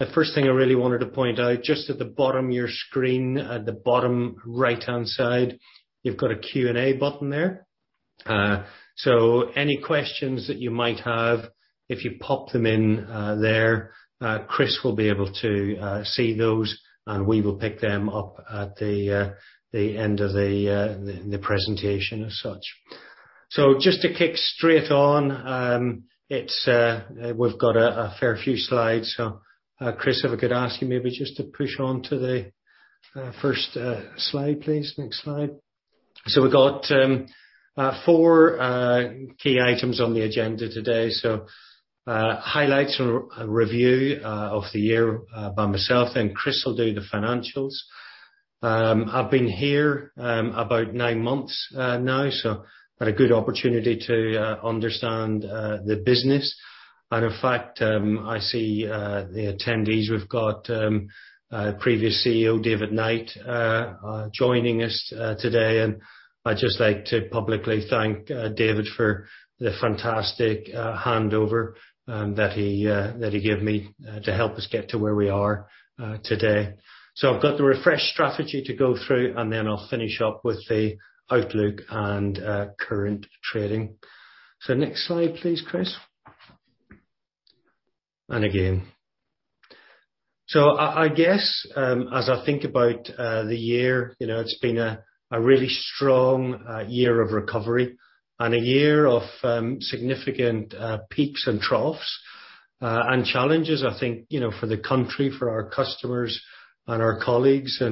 The first thing I really wanted to point out, just at the bottom of your screen, at the bottom right-hand side, you've got a Q&A button there. Any questions that you might have, if you pop them in there, Chris will be able to see those, and we will pick them up at the end of the presentation as such. Just to kick straight on, we've got a fair few slides. Chris, if I could ask you maybe just to push on to the first slide, please. Next slide. We've got four key items on the agenda today. Highlights and review of the year by myself, then Chris will do the financials. I've been here about 9 months now, so I've had a good opportunity to understand the business. And in fact, I see the attendees. We've got previous CEO, David Knight, joining us today, and I'd just like to publicly thank David for the fantastic handover that he gave me to help us get to where we are today. I've got the refresh strategy to go through, and then I'll finish up with the outlook and current trading. Next slide, please, Chris. Again. I guess, as I think about the year, it's been a really strong year of recovery and a year of significant peaks and troughs and challenges, I think, for the country, for our customers and our colleagues.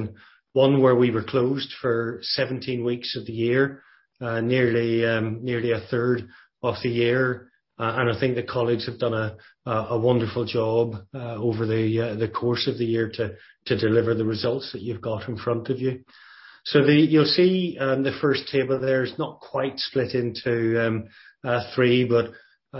One where we were closed for 17 weeks of the year, nearly a third of the year. I think the colleagues have done a wonderful job over the course of the year to deliver the results that you've got in front of you. You'll see the first table there, it's not quite split into three, but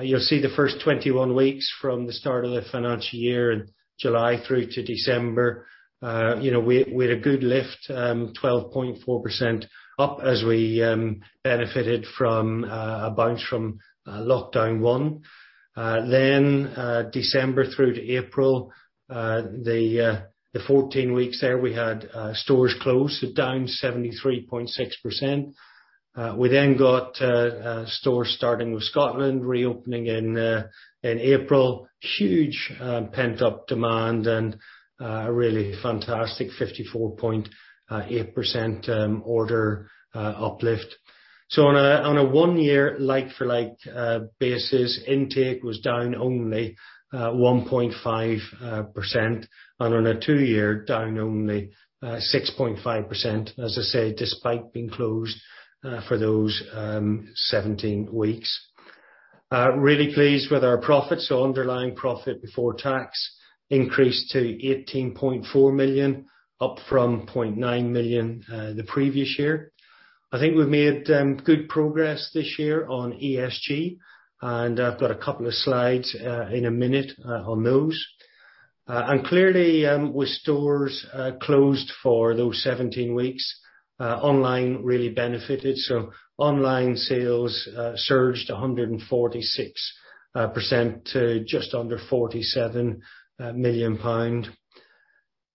you'll see the first 21 weeks from the start of the financial year in July through to December. We had a good lift, 12.4% up as we benefited from a bounce from Lockdown 1. December through to April, the 14 weeks there, we had stores closed, so down 73.6%. We then got stores starting with Scotland reopening in April. Huge pent-up demand and a really fantastic 54.8% order uplift. On a one-year, like-for-like basis, intake was down only 1.5%, and on a two-year, down only 6.5%, as I say, despite being closed for those 17 weeks. Really pleased with our profits. Underlying profit before tax increased to 18.4 million, up from 0.9 million the previous year. I think we've made good progress this year on ESG, and I've got a couple of slides in a minute on those. Clearly, with stores closed for those 17 weeks, online really benefited. Online sales surged 146% to just under 47 million pound.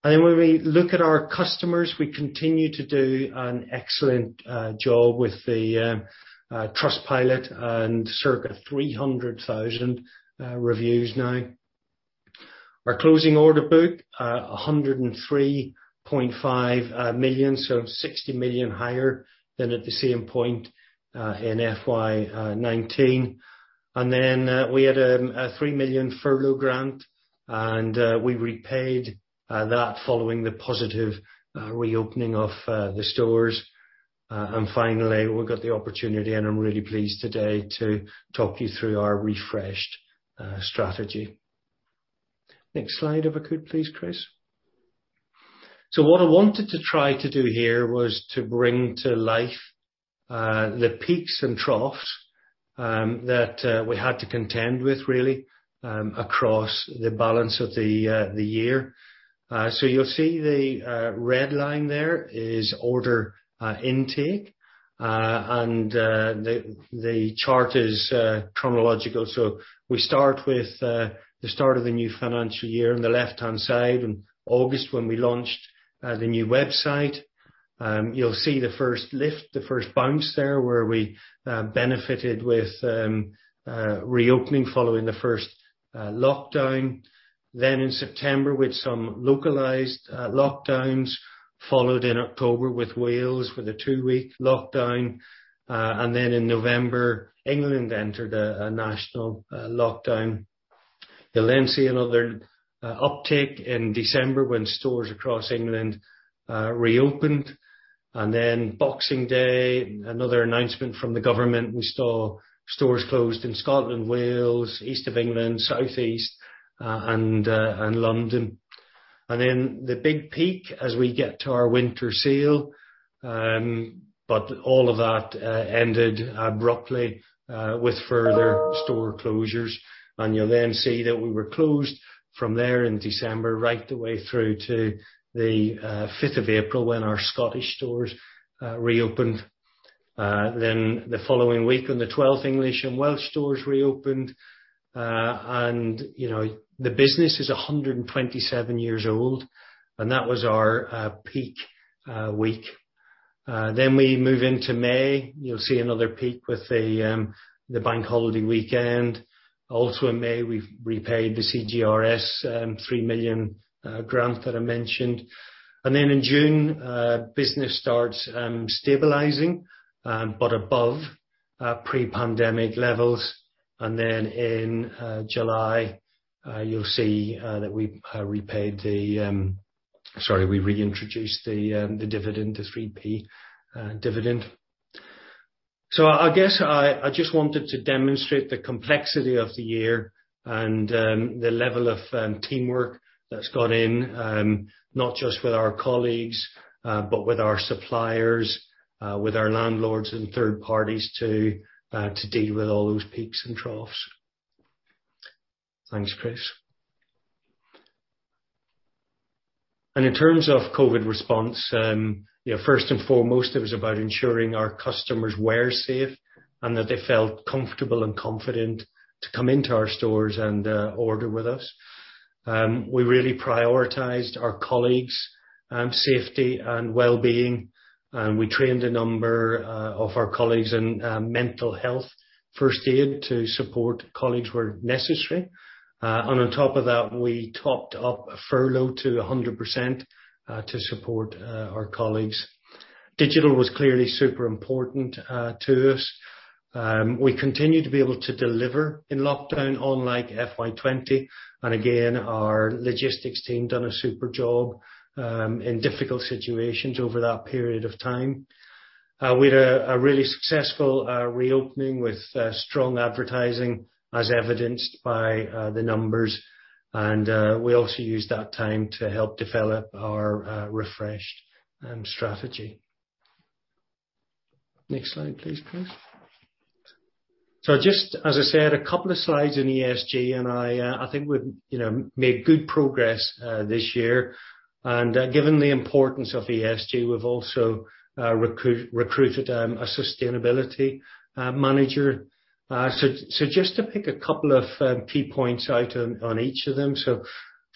When we look at our customers, we continue to do an excellent job with the Trustpilot and circa 300,000 reviews now. Our closing order book, 103.5 million, 60 million higher than at the same point in FY 2019. We had a 3 million furlough grant, and we repaid that following the positive reopening of the stores. Finally, we got the opportunity, and I'm really pleased today to talk you through our refreshed strategy. Next slide if I could please, Chris. What I wanted to try to do here was to bring to life the peaks and troughs that we had to contend with really across the balance of the year. You'll see the red line there is order intake, and the chart is chronological. We start with the start of the new financial year on the left-hand side in August when we launched the new website. You'll see the first lift, the first bounce there, where we benefited with reopening following the first lockdown. In September, with some localized lockdowns, followed in October with Wales with a two-week lockdown. In November, England entered a national lockdown. You'll see another uptick in December when stores across England reopened. Boxing Day, another announcement from the government, we saw stores closed in Scotland, Wales, East of England, Southeast and London. The big peak as we get to our winter sale. All of that ended abruptly with further store closures. You'll then see that we were closed from there in December right the way through to the April 5th when our Scottish stores reopened. The following week, on the 12th, English and Welsh stores reopened. The business is 127 years old, and that was our peak week. Also in May, we repaid the CJRS, 3 million grant that I mentioned. In June, business starts stabilizing, but above pre-pandemic levels. In July, you'll see that we reintroduced the dividend, the 0.03 dividend. I guess I just wanted to demonstrate the complexity of the year and the level of teamwork that's gone in, not just with our colleagues, but with our suppliers, with our landlords and third parties too, to deal with all those peaks and troughs. Thanks, Chris. In terms of COVID response, first and foremost, it was about ensuring our customers were safe and that they felt comfortable and confident to come into our stores and order with us. We really prioritized our colleagues' safety and wellbeing. We trained a number of our colleagues in mental health first aid to support colleagues where necessary. On top of that, we topped up furlough to 100% to support our colleagues. Digital was clearly super important to us. We continued to be able to deliver in lockdown, unlike FY 2020, and again, our logistics team done a super job in difficult situations over that period of time. We had a really successful reopening with strong advertising, as evidenced by the numbers, and we also used that time to help develop our refreshed strategy. Next slide, please, Chris. Just as I said, a couple of slides in ESG, and I think we've made good progress this year. Given the importance of ESG, we've also recruited a sustainability manager. Just to pick a couple key points out on each of them.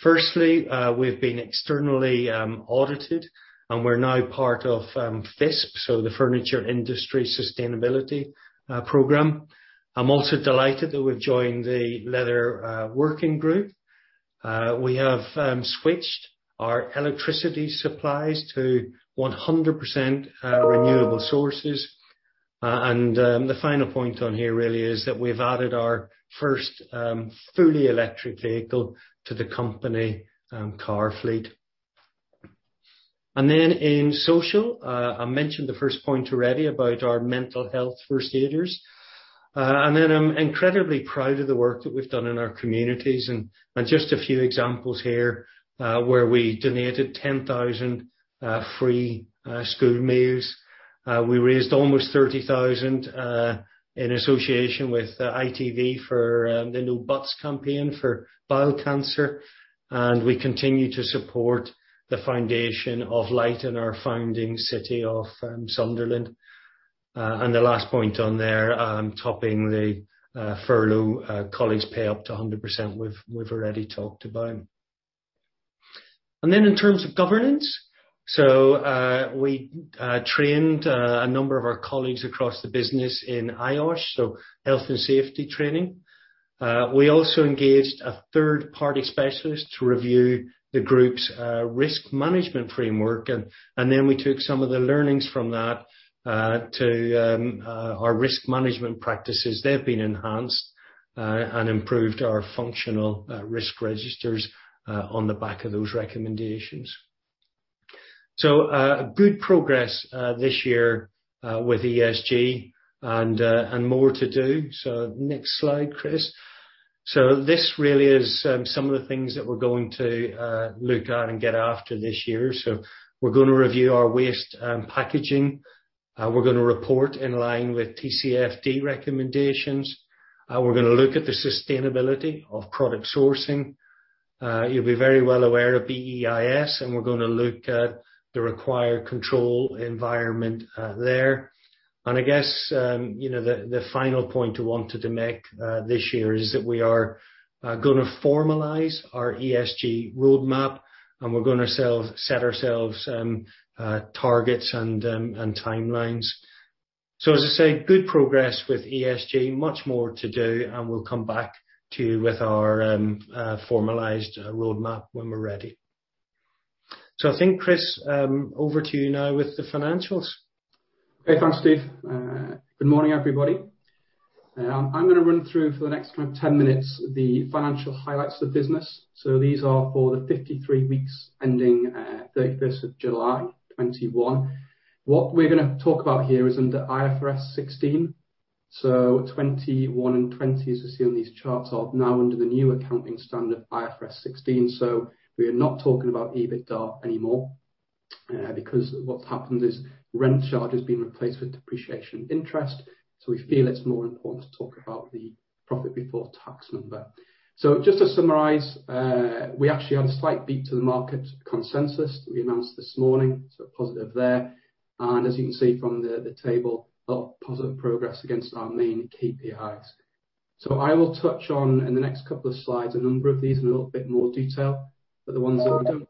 Firstly, we've been externally audited, and we're now part of FISP, so the Furniture Industry Sustainability Programme. I'm also delighted that we've joined the Leather Working Group. We have switched our electricity supplies to 100% renewable sources. The final point on here really is that we've added our first fully electric vehicle to the company car fleet. In social, I mentioned the first point already about our mental health first aiders. I'm incredibly proud of the work that we've done in our communities. Just a few examples here, where we donated 10,000 free school meals. We raised almost 30,000 in association with ITV for the No Butts campaign for bowel cancer, and we continue to support the Foundation of Light in our founding city of Sunderland. The last point on there, topping the furlough colleagues pay up to 100%, we've already talked about. In terms of governance, we trained a number of our colleagues across the business in IOSH, health and safety training. We also engaged a third-party specialist to review the group's risk management framework, and then we took some of the learnings from that to our risk management practices. They've been enhanced and improved our functional risk registers on the back of those recommendations. Good progress this year with ESG and more to do. Next slide, Chris. This really is some of the things that we're going to look at and get after this year. We're going to review our waste packaging. We're going to report in line with TCFD recommendations. We're going to look at the sustainability of product sourcing. You'll be very well aware of BEIS, and we're going to look at the required control environment there. I guess, the final point I wanted to make this year is that we are going to formalize our ESG roadmap, and we're going to set ourselves targets and timelines. As I say, good progress with ESG, much more to do, and we'll come back to you with our formalized roadmap when we're ready. I think, Chris, over to you now with the financials. Thanks, Steve. Good morning, everybody. I'm going to run through for the next 10 minutes the financial highlights of the business. These are for the 53 weeks ending July 31st, 2021. What we're going to talk about here is under IFRS 16. 2021 and 2020, as you see on these charts, are now under the new accounting standard, IFRS 16. We are not talking about EBITDA anymore because what's happened is rent charge has been replaced with depreciation interest. We feel it's more important to talk about the profit before tax number. Just to summarize, we actually had a slight beat to the market consensus that we announced this morning, positive there. As you can see from the table, a lot of positive progress against our main KPIs. I will touch on, in the next couple of slides, a number of these in a little bit more detail. The ones that we don't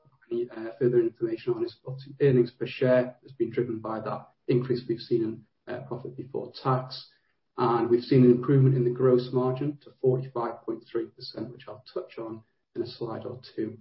have any further information on is earnings per share has been driven by that increase we've seen in profit before tax, and we've seen an improvement in the gross margin to 45.3%, which I'll touch on in a slide or two.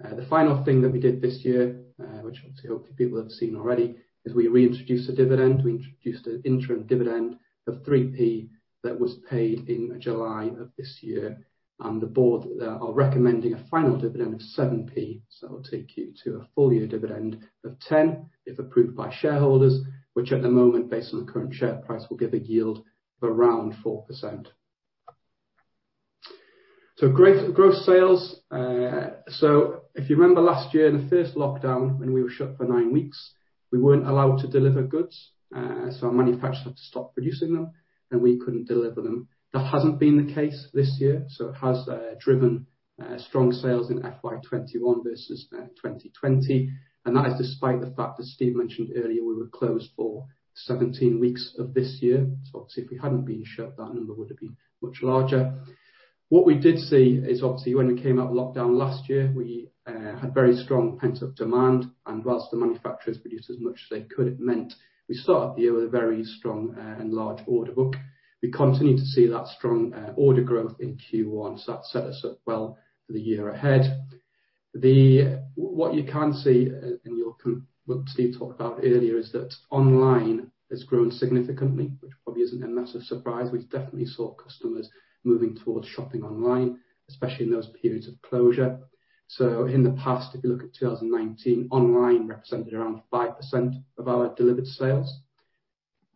The final thing that we did this year, which obviously, hopefully people have seen already, is we reintroduced a dividend. We introduced an interim dividend of 0.03 that was paid in July of this year, and the board are recommending a final dividend of 0.07. It'll take you to a full-year dividend of 10 if approved by shareholders, which at the moment, based on the current share price, will give a yield of around 4%. Great gross sales. If you remember last year in the first lockdown, when we were shut for nine weeks, we weren't allowed to deliver goods, so our manufacturers had to stop producing them, and we couldn't deliver them. That hasn't been the case this year, so it has driven strong sales in FY21 versus 2020. That is despite the fact that Steve mentioned earlier we were closed for 17 weeks of this year. Obviously, if we hadn't been shut, that number would have been much larger. What we did see is obviously when we came out of lockdown last year, we had very strong pent-up demand, whilst the manufacturers produced as much as they could, it meant we start the year with a very strong and large order book. We continue to see that strong order growth in Q1, that set us up well for the year ahead. What you can see in what Steve talked about earlier is that online has grown significantly, which probably isn't a massive surprise. We've definitely saw customers moving towards shopping online, especially in those periods of closure. In the past, if you look at 2019, online represented around 5% of our delivered sales,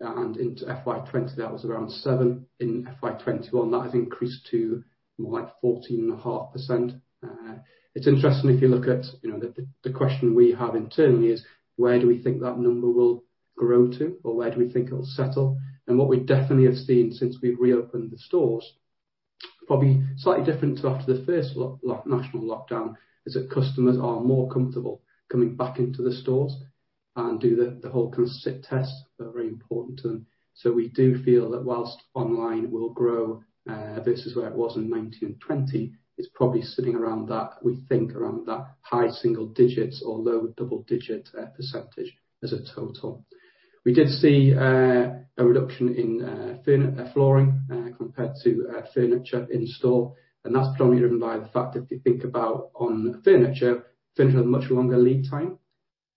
and into FY 2020, that was around 7%. In FY 2021, that has increased to more like 14.5%. It's interesting if you look at, the question we have internally is where do we think that number will grow to or where do we think it'll settle? What we definitely have seen since we've reopened the stores, probably slightly different to after the first national lockdown, is that customers are more comfortable coming back into the stores and do the whole kind of sit test. They're very important to them. We do feel that whilst online will grow, this is where it was in 2019 and 2020, it's probably sitting around that, we think, around that high single digits or low double-digit % as a total. We did see a reduction in flooring compared to furniture in store, and that's predominantly driven by the fact if you think about on furniture has a much longer lead time.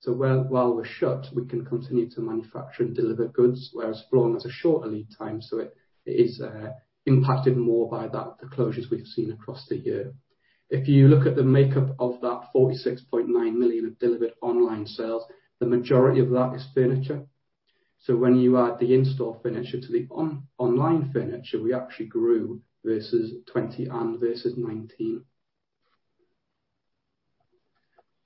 While we're shut, we can continue to manufacture and deliver goods, whereas flooring has a shorter lead time, so it is impacted more by the closures we've seen across the year. If you look at the makeup of that 46.9 million of delivered online sales, the majority of that is furniture. When you add the in-store furniture to the online furniture, we actually grew versus 2020 and versus 2019.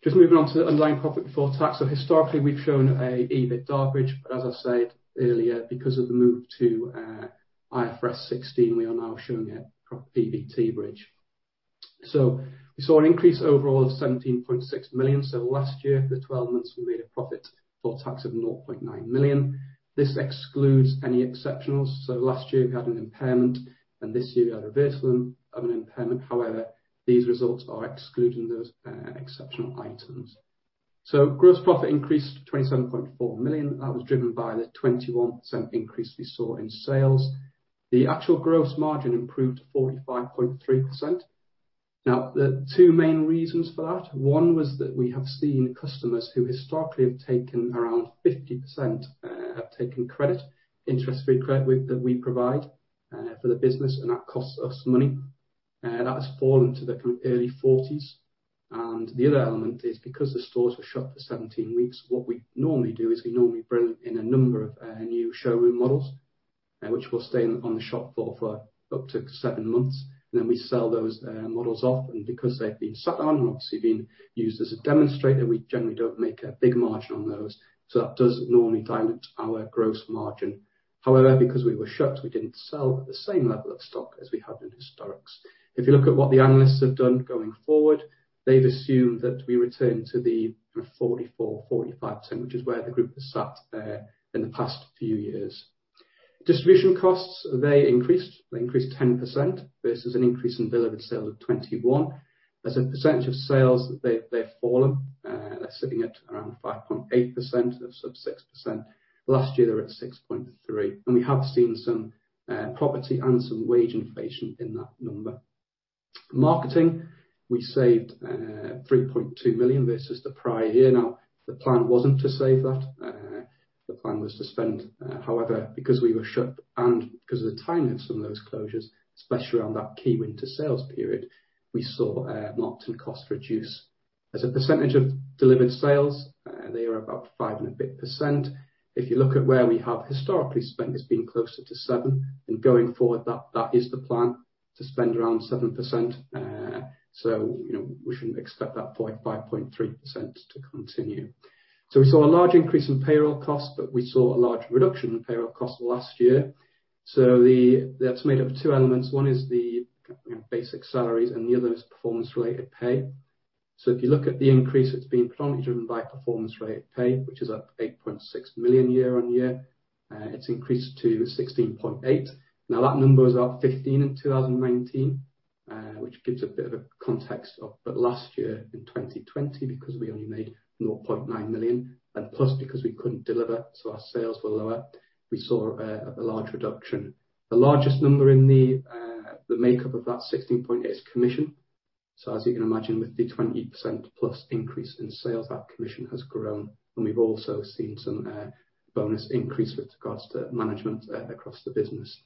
Just moving on to the underlying profit before tax. Historically, we've shown a EBITDA bridge, but as I said earlier, because of the move to IFRS 16, we are now showing a PBT bridge. We saw an increase overall of 17.6 million. Last year, for the 12 months, we made a profit before tax of 0.9 million. This excludes any exceptionals. Last year we had an impairment, and this year we had a reversal of an impairment. These results are excluding those exceptional items. Gross profit increased to 27.4 million. That was driven by the 21% increase we saw in sales. The actual gross margin improved to 45.3%. The two main reasons for that, one was that we have seen customers who historically have taken around 50% have taken credit, interest-free credit that we provide for the business, and that costs us money. That has fallen to the early 40s. The other element is because the stores were shut for 17 weeks, what we normally do is we normally bring in a number of new showroom models, which will stay on the shop floor for up to seven months, and then we sell those models off. Because they've been sat on and obviously been used as a demonstrator, we generally don't make a big margin on those. That does normally dilute our gross margin. Because we were shut, we didn't sell at the same level of stock as we had in historics. If you look at what the analysts have done going forward, they've assumed that we return to the 44%-45%, which is where the group has sat in the past few years. Distribution costs, they increased. They increased 10% versus an increase in delivered sales of 21%. As a percentage of sales, they've fallen. They're sitting at around 5.8%, so 6%. Last year, they were at 6.3%. We have seen some property and some wage inflation in that number. Marketing, we saved 3.2 million versus the prior year. Now, the plan wasn't to save that. Because we were shut and because of the timing of some of those closures, especially around that key winter sales period, we saw marketing cost reduce. As a percentage of delivered sales, they are about five and a bit percent. If you look at where we have historically spent, it's been closer to 7%, and going forward, that is the plan, to spend around 7%. We shouldn't expect that 4.5.3% to continue. We saw a large increase in payroll costs, but we saw a large reduction in payroll costs last year. That's made up of two elements. One is the basic salaries, and the other is performance-related pay. If you look at the increase that's being predominantly driven by performance-related pay which is up 8.6 million year on year, it's increased to 16.8. That number was up 15% in 2019, which gives a bit of a context of last year in 2020 because we only made 0.9 million and plus because we couldn't deliver so our sales were lower, we saw a large reduction. The largest number in the makeup of that 16.8 million is commission. As you can imagine with the 20%+ increase in sales, that commission has grown and we've also seen some bonus increase with regards to management across the business.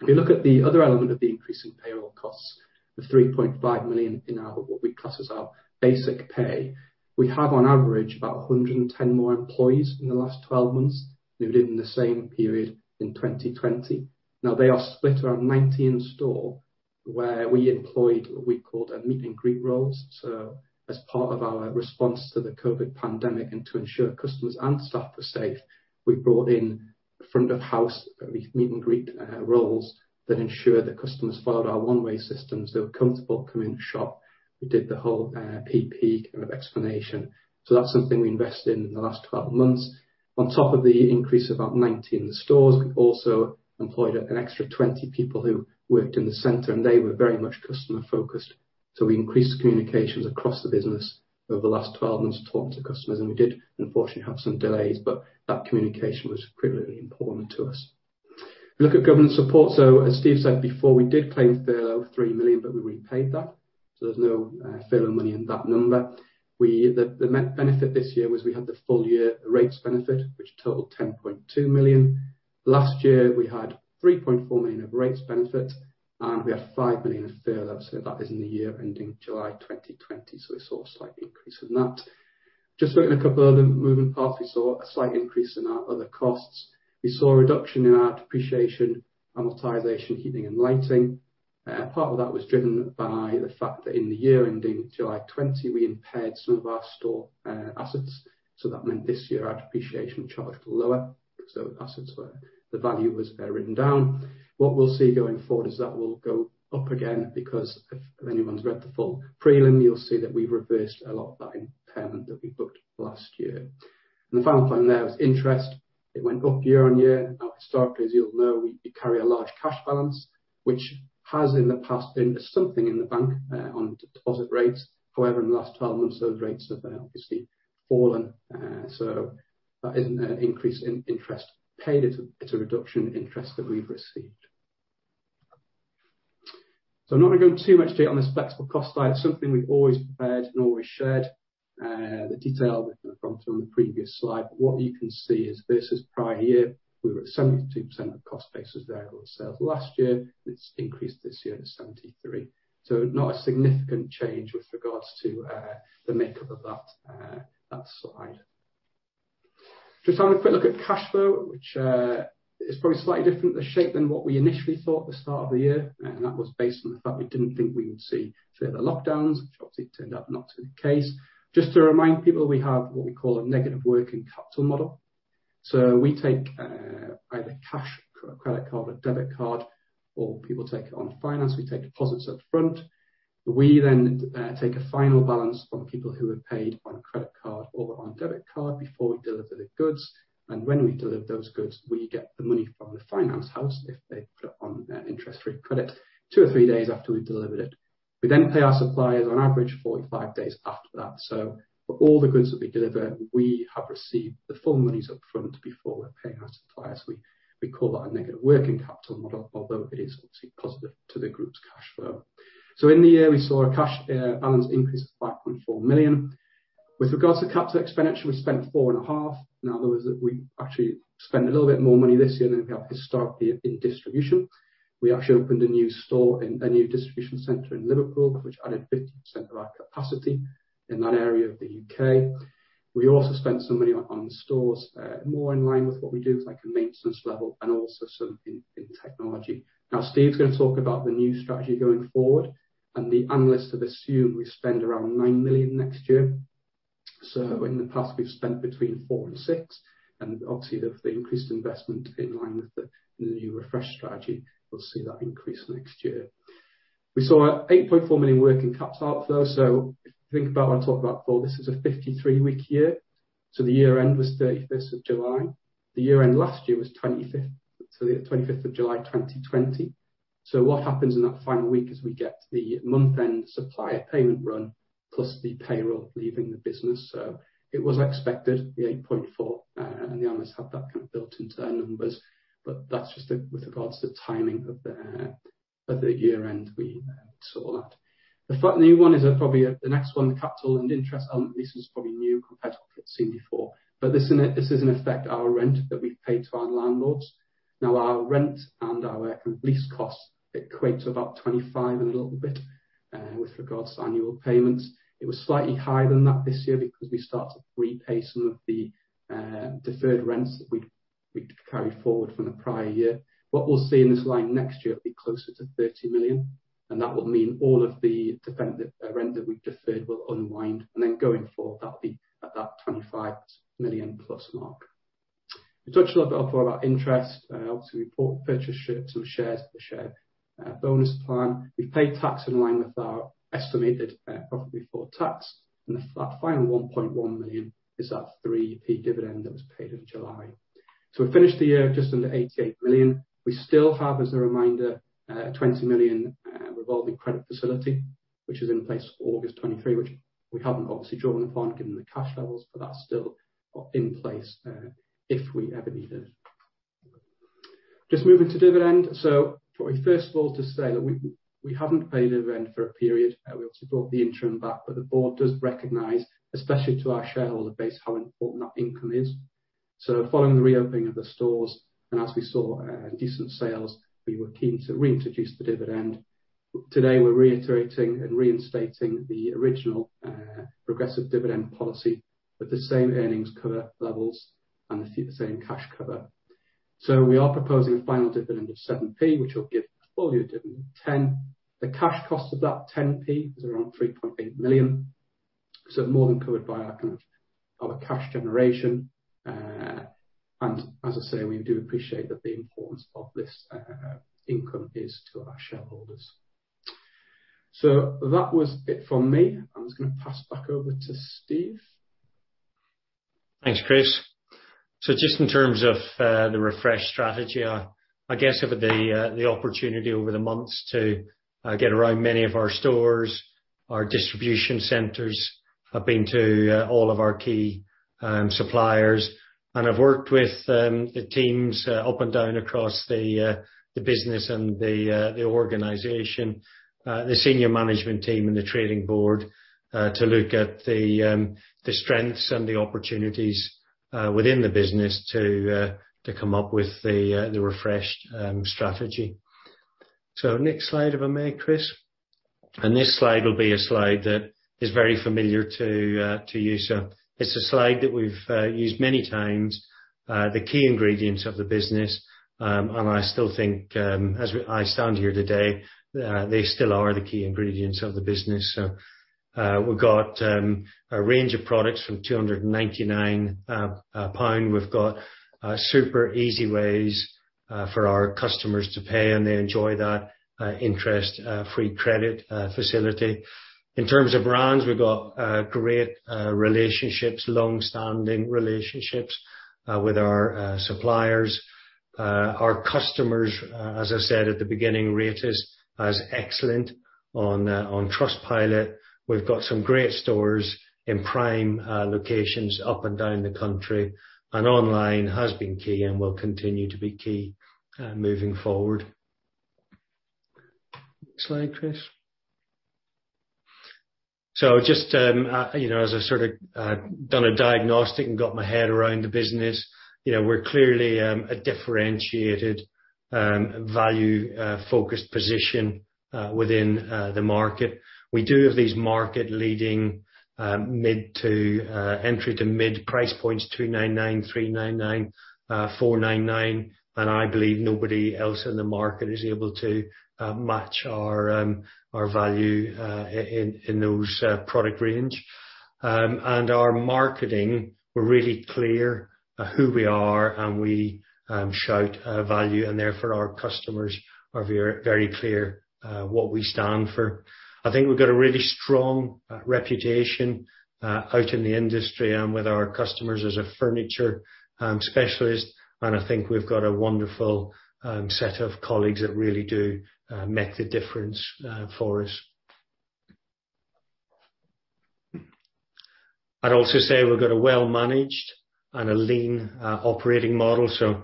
If you look at the other element of the increase in payroll costs of 3.5 million in our what we class as our basic pay, we have on average about 110 more employees in the last 12 months than we did in the same period in 2020. They are split around 90 in store where we employed what we called a meet and greet roles. As part of our response to the COVID pandemic and to ensure customers and staff were safe, we brought in front of house meet and greet roles that ensure that customers followed our one way systems, they were comfortable coming to shop. We did the whole PPE kind of explanation. That's something we invested in in the last 12 months. On top of the increase of about 90 in the stores, we also employed an extra 20 people who worked in the center and they were very much customer focused. We increased communications across the business over the last 12 months to talk to customers and we did unfortunately have some delays but that communication was critically important to us. If you look at government support, as Steve said before we did claim furlough of 3 million but we repaid that. There's no furlough money in that number. The benefit this year was we had the full year rates benefit which totaled 10.2 million. Last year we had 3.4 million of rates benefit and we had 5 million of furlough. That is in the year ending July 2020, so we saw a slight increase in that. Just looking at a couple of other moving parts, we saw a slight increase in our other costs. We saw a reduction in our depreciation, amortization, heating and lighting. Part of that was driven by the fact that in the year ending July 2020 we impaired some of our store assets. That meant this year our depreciation charge was lower because those assets were, the value was written down. What we'll see going forward is that will go up again because if anyone's read the full prelim you'll see that we've reversed a lot of that impairment that we booked last year. The final thing there was interest. It went up year-on-year. Historically as you'll know we carry a large cash balance which has in the past earned us something in the bank on deposit rates. However, in the last 12 months those rates have obviously fallen, so that isn't an increase in interest paid, it's a reduction in interest that we've received. I'm not going to go too much into it on this flexible cost side. It's something we've always prepared and always shared the detail from the previous slide what you can see is versus prior year we were at 72% of cost base was variable sales last year and it's increased this year to 73%. Not a significant change with regards to the makeup of that slide. Just having a quick look at cash flow which is probably slightly different the shape than what we initially thought at the start of the year and that was based on the fact we didn't think we would see further lockdowns which obviously turned out not to be the case. Just to remind people we have what we call a negative working capital model. We take either cash, credit card or debit card or people take it on finance. We take deposits up front. We then take a final balance from people who have paid by credit card or on debit card before we deliver the goods and when we deliver those goods we get the money from the finance house if they put it on interest free credit two or three days after we've delivered it. We then pay our suppliers on average 45 days after that. For all the goods that we deliver we have received the full monies up front before paying our suppliers. We call that a negative working capital model although it is obviously positive to the group's cash flow. In the year we saw a cash balance increase of 5.4 million. With regards to capital expenditure we spent 4.5. Now we actually spent a little bit more money this year than we have historically in distribution. We actually opened a new store in a new distribution center in Liverpool which added 50% of our capacity in that area of the U.K. We also spent some money on stores more in line with what we do like a maintenance level and also some in technology. Steve's going to talk about the new strategy going forward and the analysts have assumed we spend around 9 million next year. In the past we've spent between 4 million and 6 million and obviously with the increased investment in line with the new refresh strategy we'll see that increase next year. We saw 8.4 million working capital outflow so if you think about what I talked about before this is a 53-week year so the year end was July 31st. The year end last year was July 25th, 2020. What happens in that final week is we get the month-end supplier payment run plus the payroll leaving the business, so it was expected the 8.4 and the analysts had that kind of built into their numbers, but that's just with regards to timing of the year-end we saw that. The new one is probably the next one, capital and interest element. This is probably new compared to what you've seen before, but this is in effect our rent that we pay to our landlords. Our rent and our lease costs equates to about 25% and a little bit with regards to annual payments. It was slightly higher than that this year because we started to repay some of the deferred rents that we'd carried forward from the prior year. What we'll see in this line next year will be closer to 30 million, and that will mean all of the rent that we deferred will unwind, and then going forward that'll be at that 25 million plus mark. We touched a little bit before about interest. Obviously, we purchased some shares for the share bonus plan. We've paid tax in line with our estimated profit before tax, and that final 1.1 million is that 0.03 dividend that was paid in July. We finished the year just under 88 million. We still have, as a reminder, a 20 million revolving credit facility, which is in place August 2023, which we haven't obviously drawn upon given the cash levels, but that's still in place if we ever need it. Just moving to dividend. Probably first of all to say that we haven't paid a dividend for a period. We obviously brought the interim back, but the board does recognize, especially to our shareholder base, how important that income is. Following the reopening of the stores, and as we saw decent sales, we were keen to reintroduce the dividend. Today, we're reiterating and reinstating the original progressive dividend policy with the same earnings cover levels and the same cash cover. We are proposing a final dividend of 0.07, which will give a full-year dividend of 0.10. The cash cost of that 0.10 is around 3.8 million, so more than covered by our cash generation. As I say, we do appreciate the importance of this income is to our shareholders. That was it from me. I'm just going to pass back over to Steve. Thanks, Chris. Just in terms of the refresh strategy, I guess I've had the opportunity over the months to get around many of our stores, our distribution centers. I've been to all of our key suppliers, and I've worked with the teams up and down across the business and the organization, the senior management team, and the trading board, to look at the strengths and the opportunities within the business to come up with the refreshed strategy. Next slide if I may, Chris. This slide will be a slide that is very familiar to you. It's a slide that we've used many times, the key ingredients of the business. I still think, as I stand here today, they still are the key ingredients of the business. We've got a range of products from 299 pound. We've got super easy ways for our customers to pay, and they enjoy that interest-free credit facility. In terms of brands, we've got great relationships, long-standing relationships with our suppliers. Our customers, as I said at the beginning, rate us as excellent on Trustpilot. We've got some great stores in prime locations up and down the country, and online has been key and will continue to be key moving forward. Next slide, Chris. Just as I sort of done a diagnostic and got my head around the business, we're clearly a differentiated value-focused position within the market. We do have these market leading entry to mid-price points, 299, 399, 499, and I believe nobody else in the market is able to match our value in those product range. Our marketing, we're really clear who we are, and we shout value, and therefore, our customers are very clear what we stand for. I think we've got a really strong reputation out in the industry and with our customers as a furniture specialist and I think we've got a wonderful set of colleagues that really do make the difference for us. I'd also say we've got a well-managed and a lean operating model, so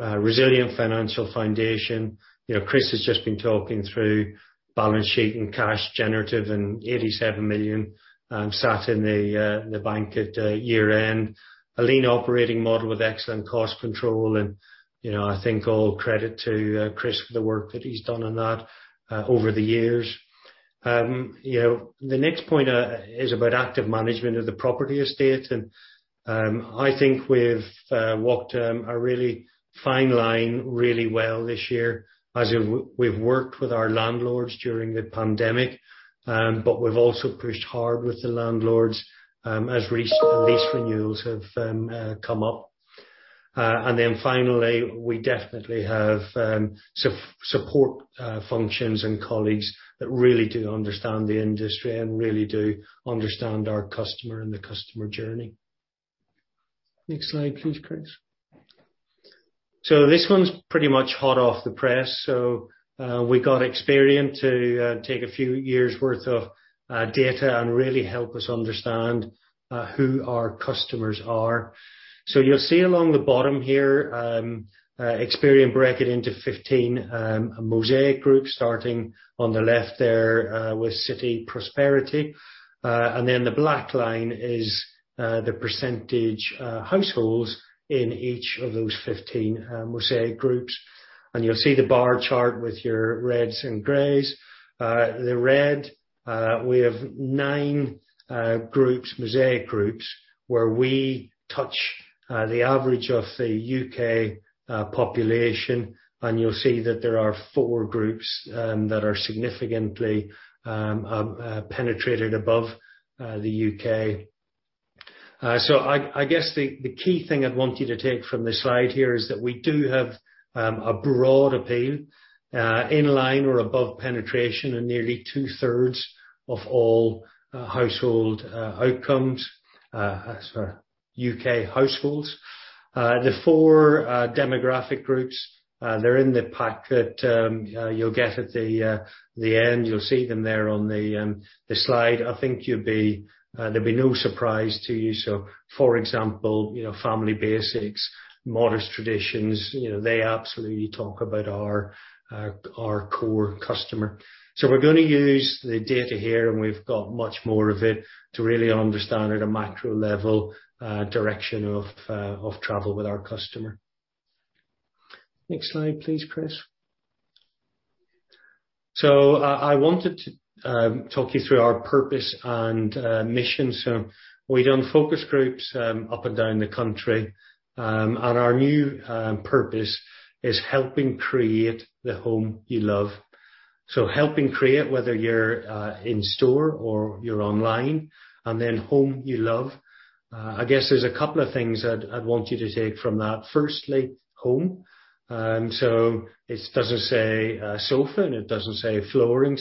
a resilient financial foundation. Chris has just been talking through balance sheet and cash generative and 87 million sat in the bank at year-end. A lean operating model with excellent cost control and I think all credit to Chris for the work that he's done on that over the years. The next point is about active management of the property estate, and I think we've walked a really fine line really well this year as we've worked with our landlords during the pandemic, but we've also pushed hard with the landlords as lease renewals have come up. Finally, we definitely have support functions and colleagues that really do understand the industry and really do understand our customer and the customer journey. Next slide, please, Chris. This one's pretty much hot off the press. We got Experian to take a few years' worth of data and really help us understand who our customers are. You'll see along the bottom here, Experian break it into 15 Mosaic groups, starting on the left there with City Prosperity. The black line is the percentage households in each of those 15 Mosaic groups. You'll see the bar chart with your reds and grays. The red, we have nine Mosaic groups where we touch the average of the U.K. population. You'll see that there are four groups that are significantly penetrated above the U.K. I guess the key thing I'd want you to take from this slide here is that we do have a broad appeal, in line or above penetration in nearly two-thirds of all household outcomes as for U.K. households. The four demographic groups, they're in the pack that you'll get at the end. You'll see them there on the slide. I think there'll be no surprise to you. For example, Family Basics, Modest Traditions, they absolutely talk about our core customer. We're going to use the data here, and we've got much more of it to really understand at a macro level, direction of travel with our customer. Next slide, please, Chris. I wanted to talk you through our purpose and mission. We've done focus groups up and down the country, and our new purpose is helping create the home you love. Helping create, whether you're in store or you're online, and then home you love. I guess there's a couple of things I'd want you to take from that. Firstly, home. It doesn't say sofa, and it doesn't say flooring.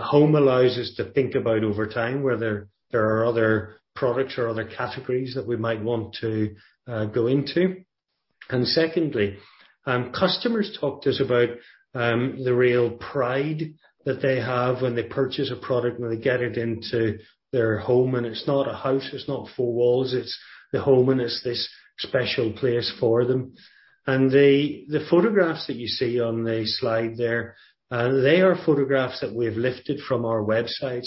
Home allows us to think about over time, whether there are other products or other categories that we might want to go into. Secondly, customers talked to us about the real pride that they have when they purchase a product and when they get it into their home, and it's not a house, it's not four walls, it's the home, and it's this special place for them. The photographs that you see on the slide there, they are photographs that we've lifted from our website.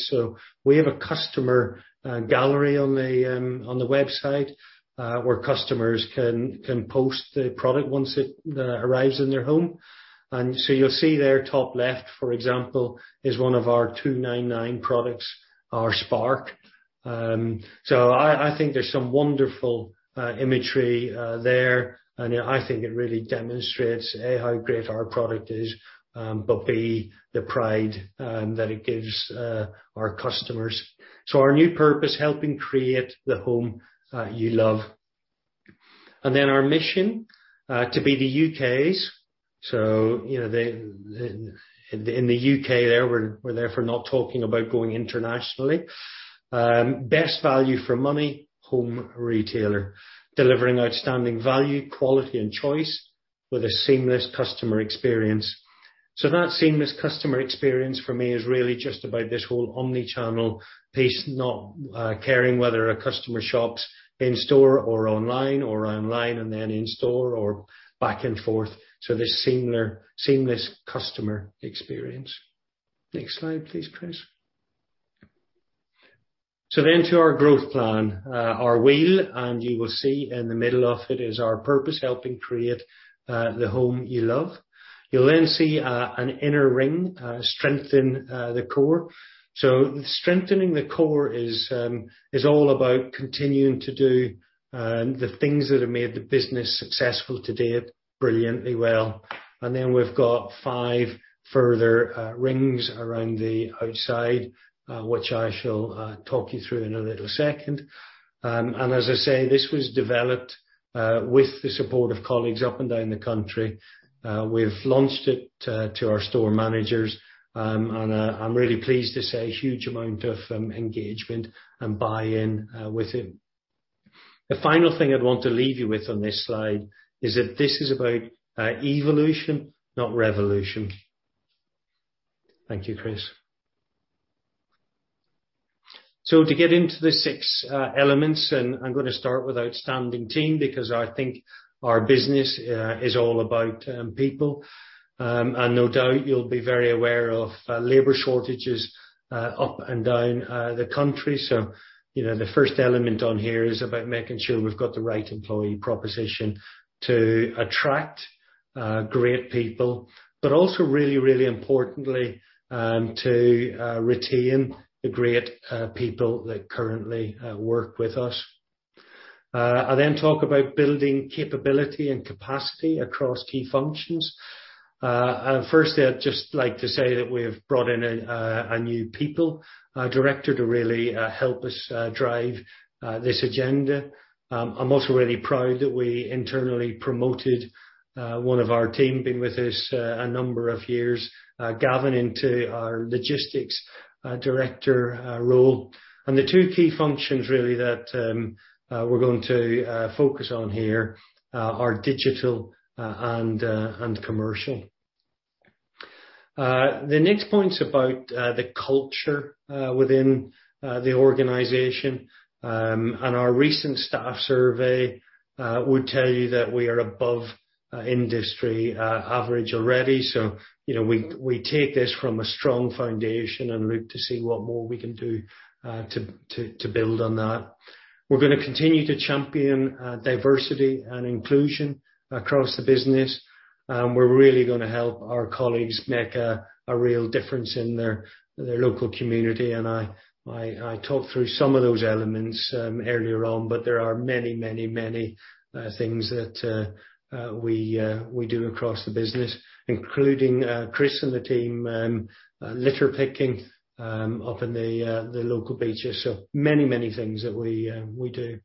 We have a customer gallery on the website, where customers can post the product once it arrives in their home. You'll see there, top left, for example, is one of our 299 products, our Spark. I think there's some wonderful imagery there. I think it really demonstrates, A, how great our product is, but B, the pride that it gives our customers. Our new purpose, helping create the home that you love. Our mission, to be the U.K.'s, so in the U.K. there, we're therefore not talking about going internationally, best value for money home retailer. Delivering outstanding value, quality, and choice with a seamless customer experience. That seamless customer experience for me is really just about this whole omni-channel piece, not caring whether a customer shops in store or online, or online and then in store, or back and forth. This seamless customer experience. Next slide, please, Chris. To our growth plan, our wheel, and you will see in the middle of it is our purpose, helping create the home you love. You'll then see an inner ring, strengthen the core. Strengthening the core is all about continuing to do the things that have made the business successful to date brilliantly well. Then we've got five further rings around the outside, which I shall talk you through in a little second. As I say, this was developed with the support of colleagues up and down the country. We've launched it to our store managers, and I'm really pleased to say, a huge amount of engagement and buy-in with it. The final thing I'd want to leave you with on this slide is that this is about evolution, not revolution. Thank you, Chris. To get into the six elements, and I'm going to start with outstanding team, because I think our business is all about people. No doubt, you'll be very aware of labor shortages up and down the country. The first element on here is about making sure we've got the right employee proposition to attract great people, but also really, really importantly, to retain the great people that currently work with us. I then talk about building capability and capacity across key functions. Firstly, I'd just like to say that we've brought in a new people director to really help us drive this agenda. I'm also really proud that we internally promoted one of our team, been with us a number of years, Gavin, into our logistics director role. The two key functions really that we're going to focus on here are digital and commercial. The next point's about the culture within the organization. Our recent staff survey would tell you that we are above industry average already. We take this from a strong foundation and look to see what more we can do to build on that. We're going to continue to champion diversity and inclusion across the business. We're really going to help our colleagues make a real difference in their local community, and I talked through some of those elements earlier on, but there are many things that we do across the business, including Chris and the team, litter picking up in the local beaches. Many things that we do.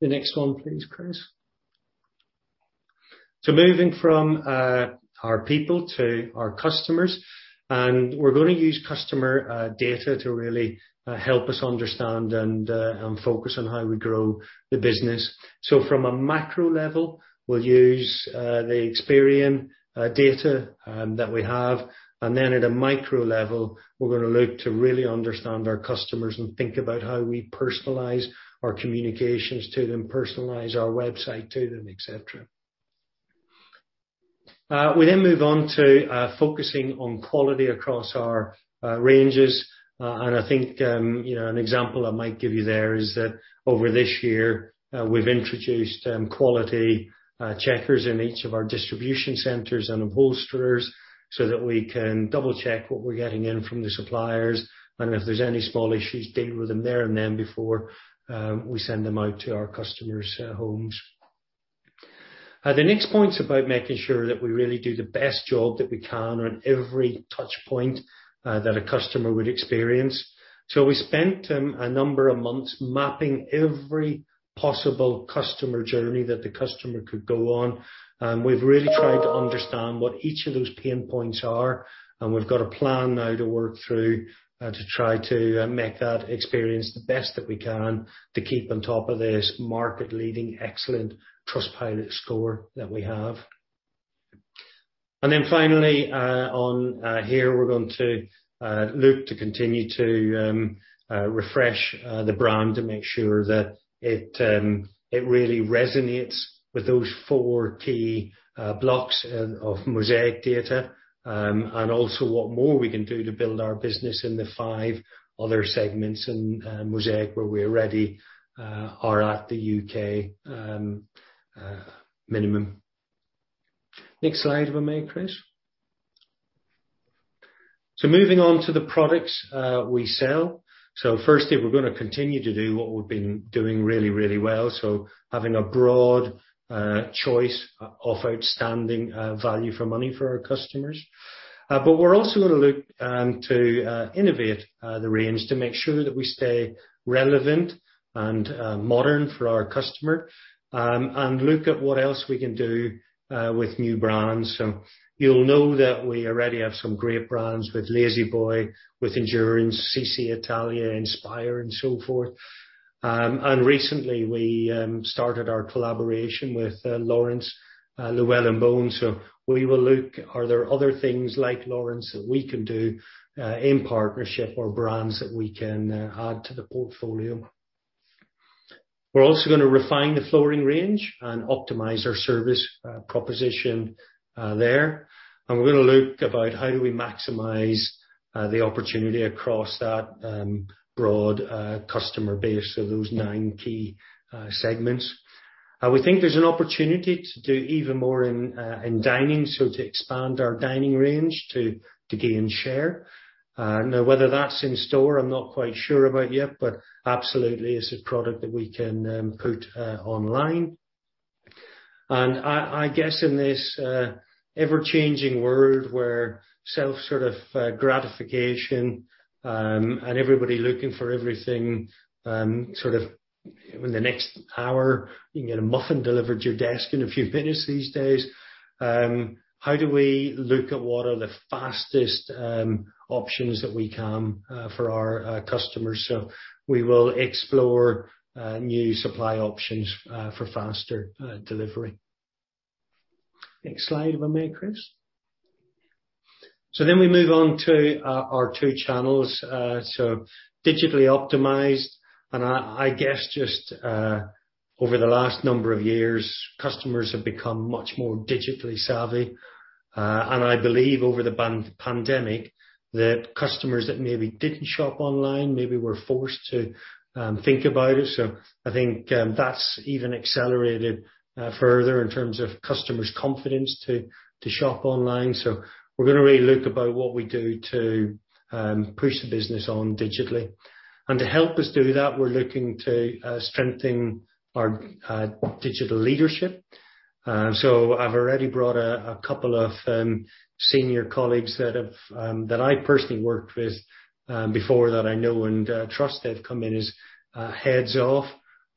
The next one, please, Chris. Moving from our people to our customers, we're going to use customer data to really help us understand and focus on how we grow the business. From a macro level, we'll use the Experian data that we have, and then at a micro level, we're going to look to really understand our customers and think about how we personalize our communications to them, personalize our website to them, et cetera. We move on to focusing on quality across our ranges. I think an example I might give you there is that over this year, we've introduced quality checkers in each of our distribution centers and upholsterers so that we can double-check what we're getting in from the suppliers, and if there's any small issues, deal with them there and then before we send them out to our customers' homes. The next point's about making sure that we really do the best job that we can on every touch point that a customer would experience. We spent a number of months mapping every possible customer journey that the customer could go on. We've really tried to understand what each of those pain points are, and we've got a plan now to work through to try to make that experience the best that we can to keep on top of this market-leading, excellent Trustpilot score that we have. Finally on here, we're going to look to continue to refresh the brand to make sure that it really resonates with those four key blocks of Mosaic data. Also what more we can do to build our business in the five other segments in Mosaic where we already are at the U.K. minimum. Next slide if I may, Chris. Moving on to the products we sell. Firstly, we're going to continue to do what we've been doing really well. Having a broad choice of outstanding value for money for our customers. We're also going to look to innovate the range to make sure that we stay relevant and modern for our customer, and look at what else we can do with new brands. You'll know that we already have some great brands with La-Z-Boy, with Endurance, SiSi Italia, Inspire, and so forth. Recently we started our collaboration with Laurence Llewelyn-Bowen, so we will look are there other things like Laurence that we can do in partnership or brands that we can add to the portfolio. We're also going to refine the flooring range and optimize our service proposition there. We're going to look about how do we maximize the opportunity across that broad customer base of those nine key segments. We think there's an opportunity to do even more in dining, so to expand our dining range to gain share. Whether that's in store, I'm not quite sure about yet, but absolutely it's a product that we can put online. I guess in this ever-changing world where self sort of gratification, and everybody looking for everything sort of in the next hour, you can get a muffin delivered to your desk in a few minutes these days, how do we look at what are the fastest options that we can for our customers? We will explore new supply options for faster delivery. Next slide if I may, Chris. We move on to our two channels. Digitally optimized, and I guess just, over the last number of years, customers have become much more digitally savvy. I believe over the pandemic, the customers that maybe didn't shop online maybe were forced to think about it. I think that's even accelerated further in terms of customers' confidence to shop online. We're going to really look about what we do to push the business on digitally. To help us do that, we're looking to strengthen our digital leadership. I've already brought a couple of senior colleagues that I personally worked with before that I know and trust. They've come in as heads of.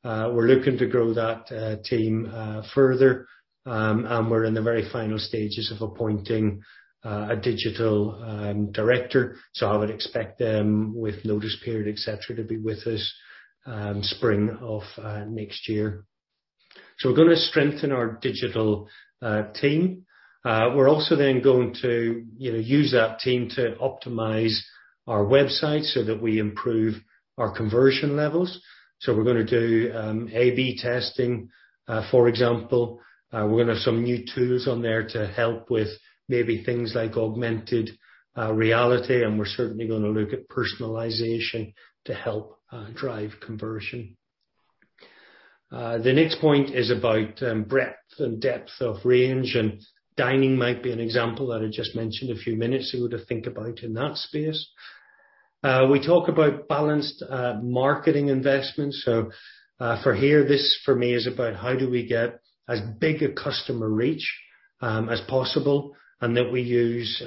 We're looking to grow that team further. We're in the very final stages of appointing a digital director. I would expect them with notice period, et cetera, to be with us spring of next year. We're going to strengthen our digital team. We're also then going to use that team to optimize our website so that we improve our conversion levels. We're going to do A/B testing, for example. We're going to have some new tools on there to help with maybe things like augmented reality, and we're certainly going to look at personalization to help drive conversion. The next point is about breadth and depth of range and dining might be an example that I just mentioned a few minutes ago to think about in that space. We talk about balanced marketing investments. For here, this for me is about how do we get as big a customer reach as possible, and that we use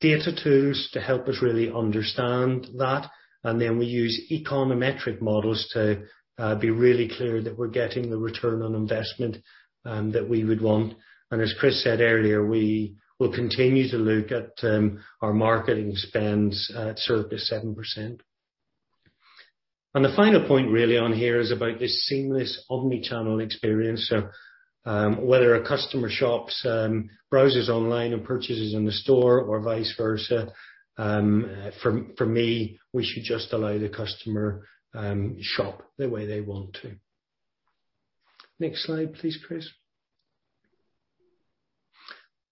data tools to help us really understand that. We use econometric models to be really clear that we're getting the return on investment that we would want. As Chris said earlier, we will continue to look at our marketing spends sort of at 7%. The final point really on here is about this seamless omnichannel experience. Whether a customer shops, browses online and purchases in the store or vice versa. For me, we should just allow the customer shop the way they want to. Next slide, please, Chris.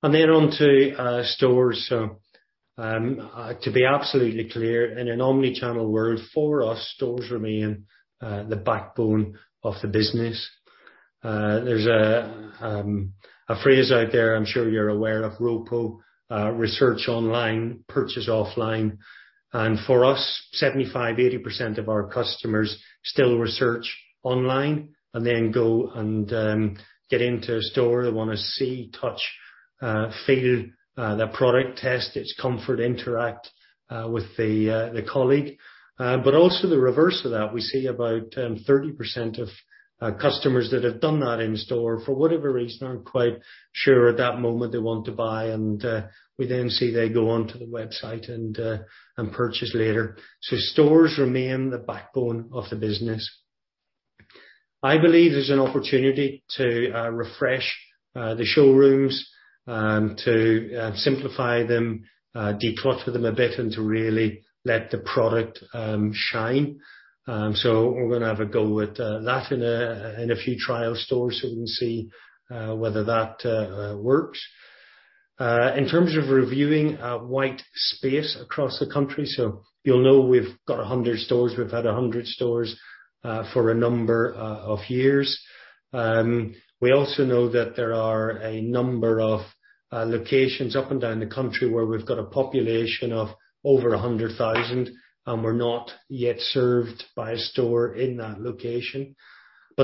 On to stores. To be absolutely clear, in an omnichannel world, for us, stores remain the backbone of the business. There's a phrase out there I'm sure you're aware of, ROPO, research online, purchase offline. For us, 75%-80% of our customers still research online and then go and get into a store. They want to see, touch, feel their product, test its comfort, interact with the colleague. Also the reverse of that. We see about 30% of customers that have done that in store, for whatever reason, aren't quite sure at that moment they want to buy. We then see they go onto the website and purchase later. Stores remain the backbone of the business. I believe there's an opportunity to refresh the showrooms, to simplify them, declutter them a bit, and to really let the product shine. We're going to have a go with that in a few trial stores so we can see whether that works. In terms of reviewing white space across the country, so you'll know we've got 100 stores. We've had 100 stores for a number of years. We also know that there are a number of locations up and down the country where we've got a population of over 100,000, and we're not yet served by a store in that location.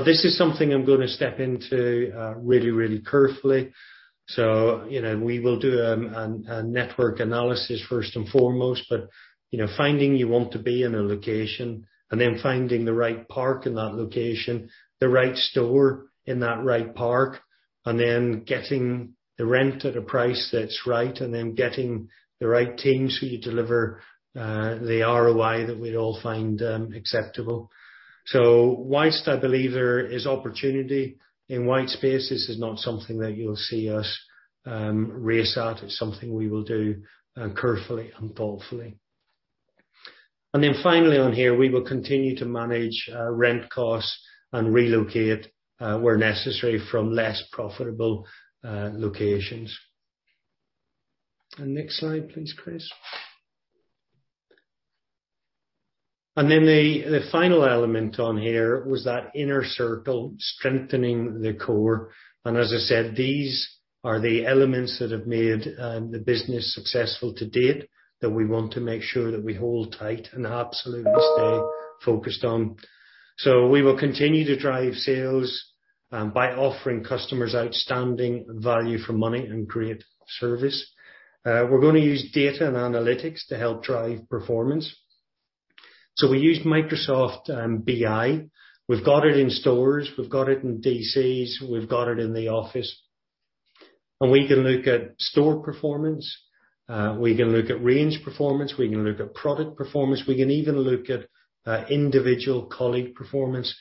This is something I'm going to step into really, really carefully. We will do a network analysis first and foremost, but finding you want to be in a location and then finding the right park in that location, the right store in that right park, and then getting the rent at a price that's right, and then getting the right teams who deliver the ROI that we'd all find acceptable. Whilst I believe there is opportunity in white space, this is not something that you'll see us race at. It's something we will do carefully and thoughtfully. Finally on here, we will continue to manage rent costs and relocate where necessary from less profitable locations. Next slide, please, Chris. The final element on here was that inner circle, strengthening the core. As I said, these are the elements that have made the business successful to date that we want to make sure that we hold tight and absolutely stay focused on. We will continue to drive sales by offering customers outstanding value for money and great service. We're going to use data and analytics to help drive performance. We use Microsoft BI. We've got it in stores, we've got it in DCs, we've got it in the office, and we can look at store performance, we can look at range performance, we can look at product performance. We can even look at individual colleague performance.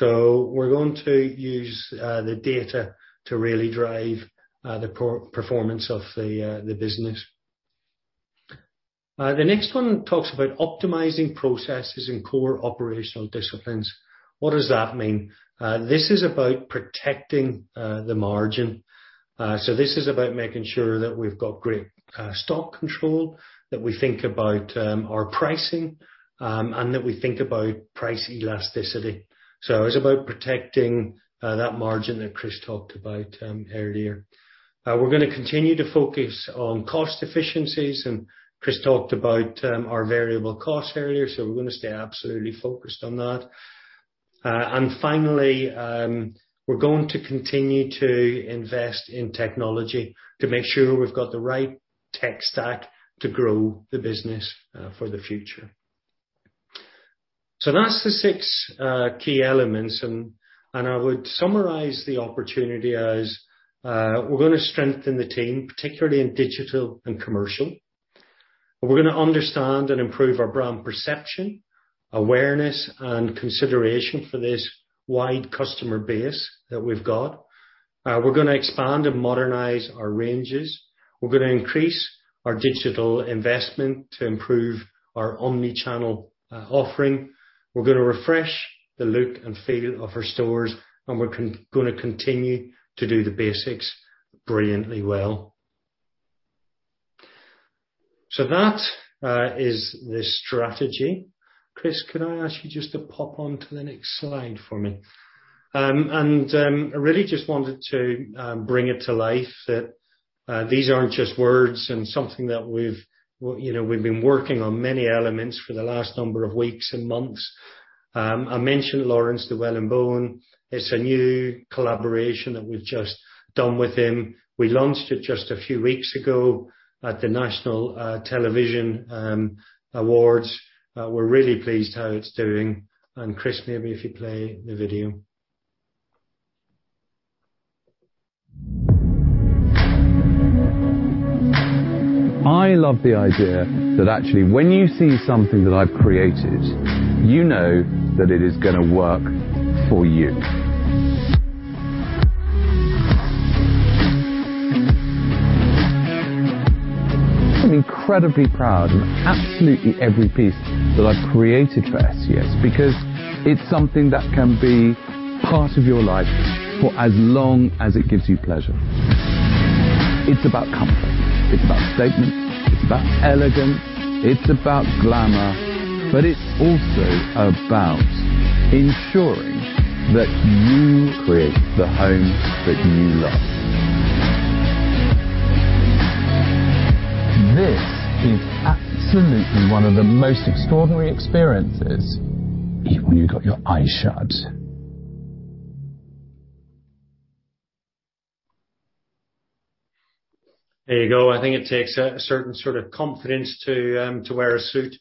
We're going to use the data to really drive the performance of the business. The next one talks about optimizing processes and core operational disciplines. What does that mean? This is about protecting the margin. This is about making sure that we've got great stock control, that we think about our pricing, and that we think about price elasticity. It's about protecting that margin that Chris talked about earlier. We're going to continue to focus on cost efficiencies, and Chris talked about our variable costs earlier, so we're going to stay absolutely focused on that. Finally, we're going to continue to invest in technology to make sure we've got the right tech stack to grow the business for the future. That's the six key elements, and I would summarize the opportunity as, we're going to strengthen the team, particularly in digital and commercial. We're going to understand and improve our brand perception, awareness, and consideration for this wide customer base that we've got. We're going to expand and modernize our ranges. We're going to increase our digital investment to improve our omnichannel offering. We're going to refresh the look and feel of our stores, and we're going to continue to do the basics brilliantly well. That is the strategy. Chris, could I ask you just to pop onto the next slide for me? I really just wanted to bring it to life that these aren't just words and something that we've been working on many elements for the last number of weeks and months. I mentioned Laurence Llewelyn-Bowen. It's a new collaboration that we've just done with him. We launched it just a few weeks ago at the National Television Awards. We're really pleased how it's doing. Chris, maybe if you play the video. I love the idea that actually when you see something that I've created, you know that it is going to work for you. I'm incredibly proud of absolutely every piece that I've created for ScS, because it's something that can be part of your life for as long as it gives you pleasure. It's about comfort, it's about statement, it's about elegance, it's about glamour, but it's also about ensuring that you create the home that you love. This is absolutely one of the most extraordinary experiences, even when you've got your eyes shut. There you go. I think it takes a certain sort of confidence to wear a suit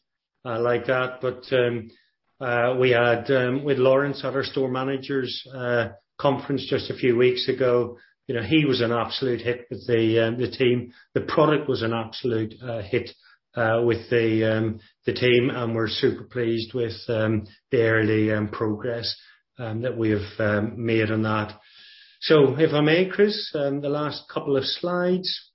like that. We had Laurence at our store managers conference just a few weeks ago. He was an absolute hit with the team. The product was an absolute hit with the team, and we're super pleased with the early progress that we've made on that. If I may, Chris, the last couple of slides.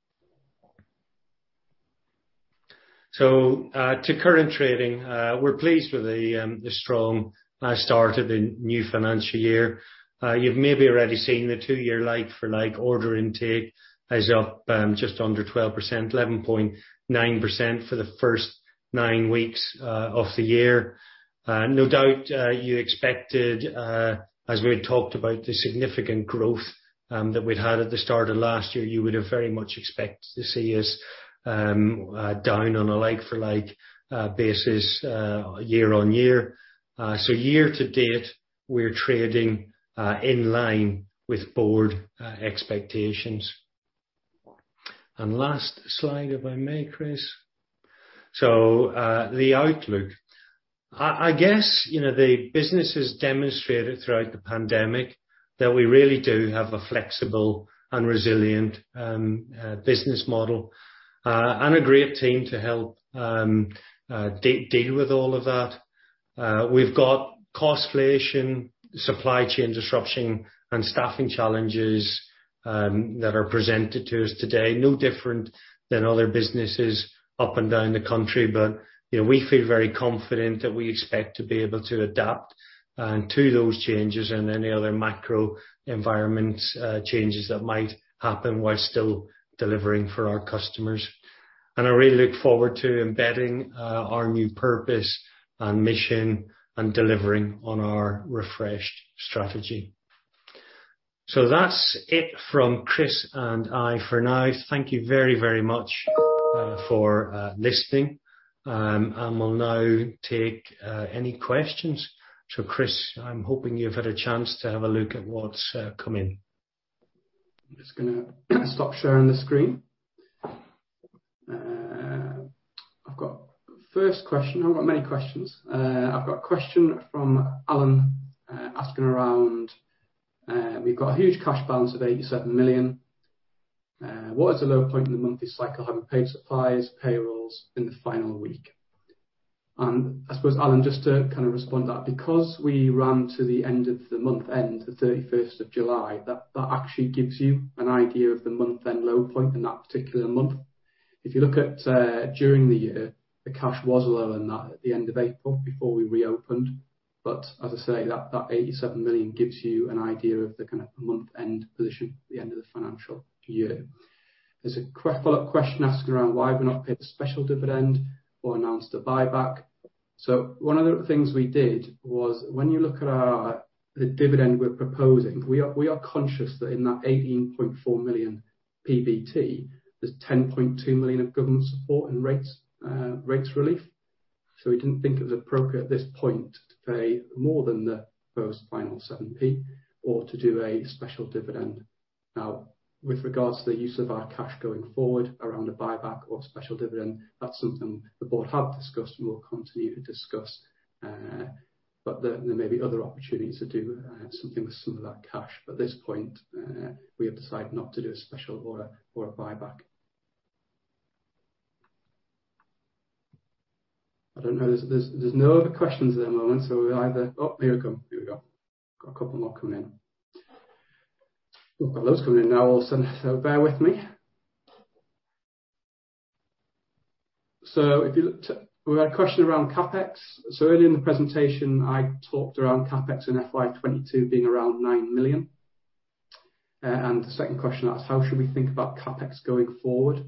To current trading. We're pleased with the strong start of the new financial year. You've maybe already seen the two-year like-for-like order intake is up just under 12%, 11.9% for the first nine weeks of the year. No doubt you expected, as we had talked about the significant growth that we'd had at the start of last year, you would have very much expected to see us down on a like-for-like basis year-on-year. Year-to-date, we're trading in line with board expectations. Last slide, if I may, Chris. The outlook. I guess, the business has demonstrated throughout the pandemic that we really do have a flexible and resilient business model, and a great team to help deal with all of that. We've got cost inflation, supply chain disruption, and staffing challenges that are presented to us today. No different than other businesses up and down the country. We feel very confident that we expect to be able to adapt to those changes and any other macro environment changes that might happen while still delivering for our customers. I really look forward to embedding our new purpose and mission and delivering on our refreshed strategy. That's it from Chris and I for now. Thank you very much for listening. We'll now take any questions. Chris, I'm hoping you've had a chance to have a look at what's come in. I'm just going to stop sharing the screen. I've got first question. I've got many questions. I've got a question from Alan, asking around, we've got a huge cash balance of 87 million. What is the low point in the monthly cycle having paid suppliers, payrolls in the final week? I suppose, Alan, just to kind of respond to that, because we run to the end of the month end, the July 31st, that actually gives you an idea of the month-end low point in that particular month. If you look at during the year, the cash was lower than that at the end of April before we reopened. As I say, that 87 million gives you an idea of the kind of the month-end position at the end of the financial year. There's a quick follow-up question asking around why we've not paid a special dividend or announced a buyback. One of the things we did was when you look at the dividend we're proposing, we are conscious that in that 18.4 million PBT, there's 10.2 million of government support and rates relief. We didn't think it was appropriate at this point to pay more than the proposed final 7p or to do a special dividend. With regards to the use of our cash going forward around a buyback or special dividend, that's something the board have discussed and will continue to discuss. There may be other opportunities to do something with some of that cash. At this point, we have decided not to do a special or a buyback. I don't know. There's no other questions at the moment. Oh, here we go. Got a couple more coming in. We've got loads coming in now all of a sudden, so bear with me. We've had a question around CapEx. Early in the presentation, I talked around CapEx in FY 2022 being around 9 million. The second question asks, how should we think about CapEx going forward?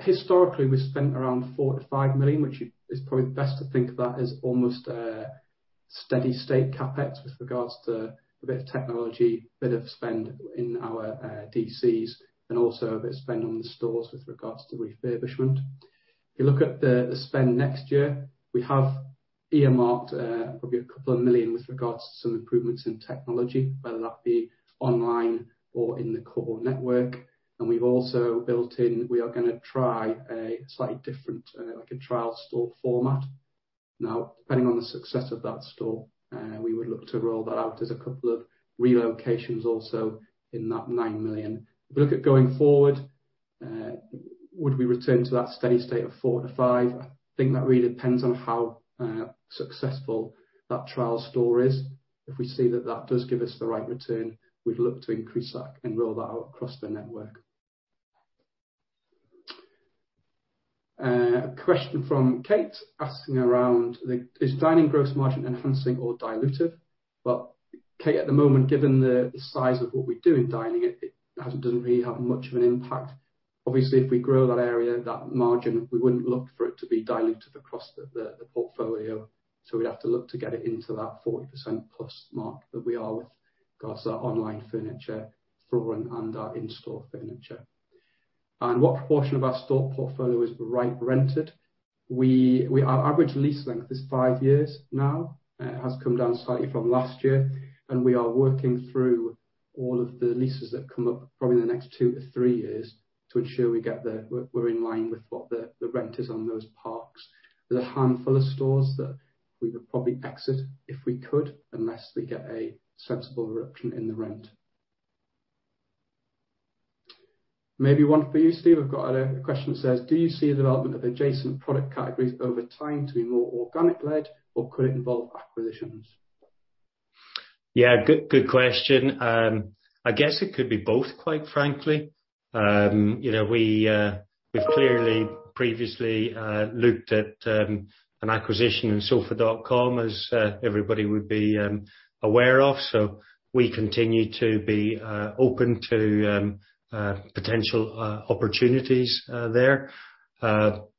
Historically we spent around 4 million-5 million, which is probably best to think of that as almost a steady state CapEx with regards to a bit of technology, a bit of spend in our DCs and also a bit of spend on the stores with regards to refurbishment. If you look at the spend next year, we have earmarked probably 2 million with regards to some improvements in technology, whether that be online or in the core network. We've also built in, we are going to try a slightly different trial store format. Depending on the success of that store, we would look to roll that out as a couple of relocations also in that 9 million. If you look at going forward, would we return to that steady state of 4 million-5 million? I think that really depends on how successful that trial store is. If we see that that does give us the right return, we'd look to increase that and roll that out across the network. A question from Kate asking around, is dining gross margin enhancing or dilutive? Well, Kate, at the moment, given the size of what we do in dining, it doesn't really have much of an impact. Obviously, if we grow that area, that margin, we wouldn't look for it to be dilutive across the portfolio. We'd have to look to get it into that 40% plus mark that we are with regards to our online furniture, flooring, and our in-store furniture. What proportion of our store portfolio is rack-rented? Our average lease length is five years now. It has come down slightly from last year, and we are working through all of the leases that come up probably in the next two to three years to ensure we're in line with what the rent is on those parks. There's a handful of stores that we would probably exit if we could, unless we get a sensible reduction in the rent. Maybe one for you, Steve. We've got a question that says, "Do you see the development of adjacent product categories over time to be more organic led, or could it involve acquisitions? Yeah, good question. I guess it could be both, quite frankly. We've clearly previously looked at an acquisition in Sofa.com as everybody would be aware of. We continue to be open to potential opportunities there.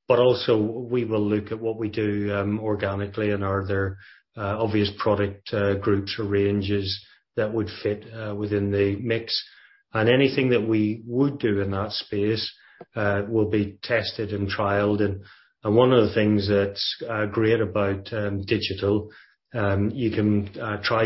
Also, we will look at what we do organically and are there obvious product groups or ranges that would fit within the mix. Anything that we would do in that space will be tested and trialed. One of the things that's great about digital, you can try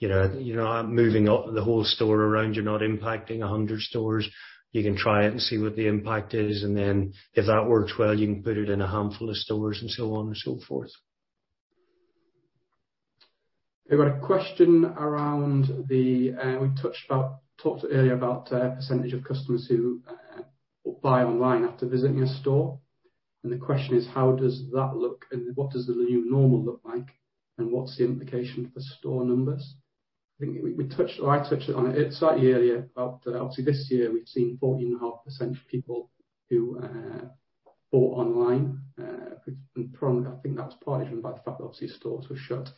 something and you're not moving the whole store around, you're not impacting 100 stores. You can try it and see what the impact is, and then if that works well, you can put it in a handful of stores and so on and so forth. We talked earlier about percentage of customers who buy online after visiting a store. The question is, how does that look and what does the new normal look like? What's the implication for store numbers? I think I touched on it slightly earlier about obviously this year, we've seen 14.5% of people who bought online. I think that was partly driven by the fact that obviously stores were shut.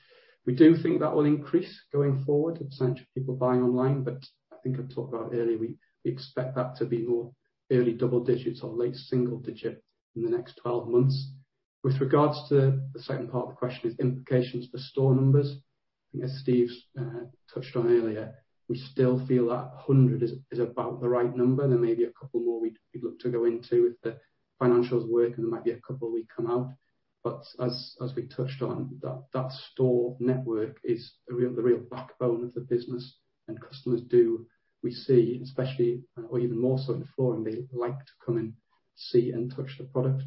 We do think that will increase going forward, the percentage of people buying online. I think I've talked about earlier, we expect that to be more early double digits or late single digit in the next 12 months. With regards to the second part of the question is implications for store numbers. I think as Steve's touched on earlier, we still feel that 100 is about the right number. There may be a couple more we'd look to go into if the financials work, there might be a couple we come out. As we touched on, that store network is the real backbone of the business, customers do, we see, especially or even more so in flooring, they like to come and see and touch the product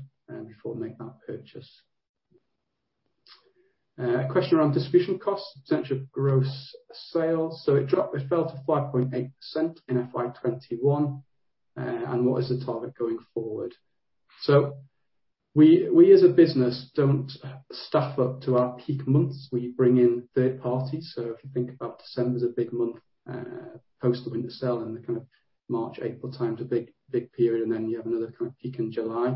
before make that purchase. A question around distribution costs, percent of gross sales. It fell to 5.8% in FY 2021. What is the target going forward? We as a business don't staff up to our peak months. We bring in third parties. If you think about December is a big month post the winter sale the kind of March, April time is a big period, you have another kind of peak in July.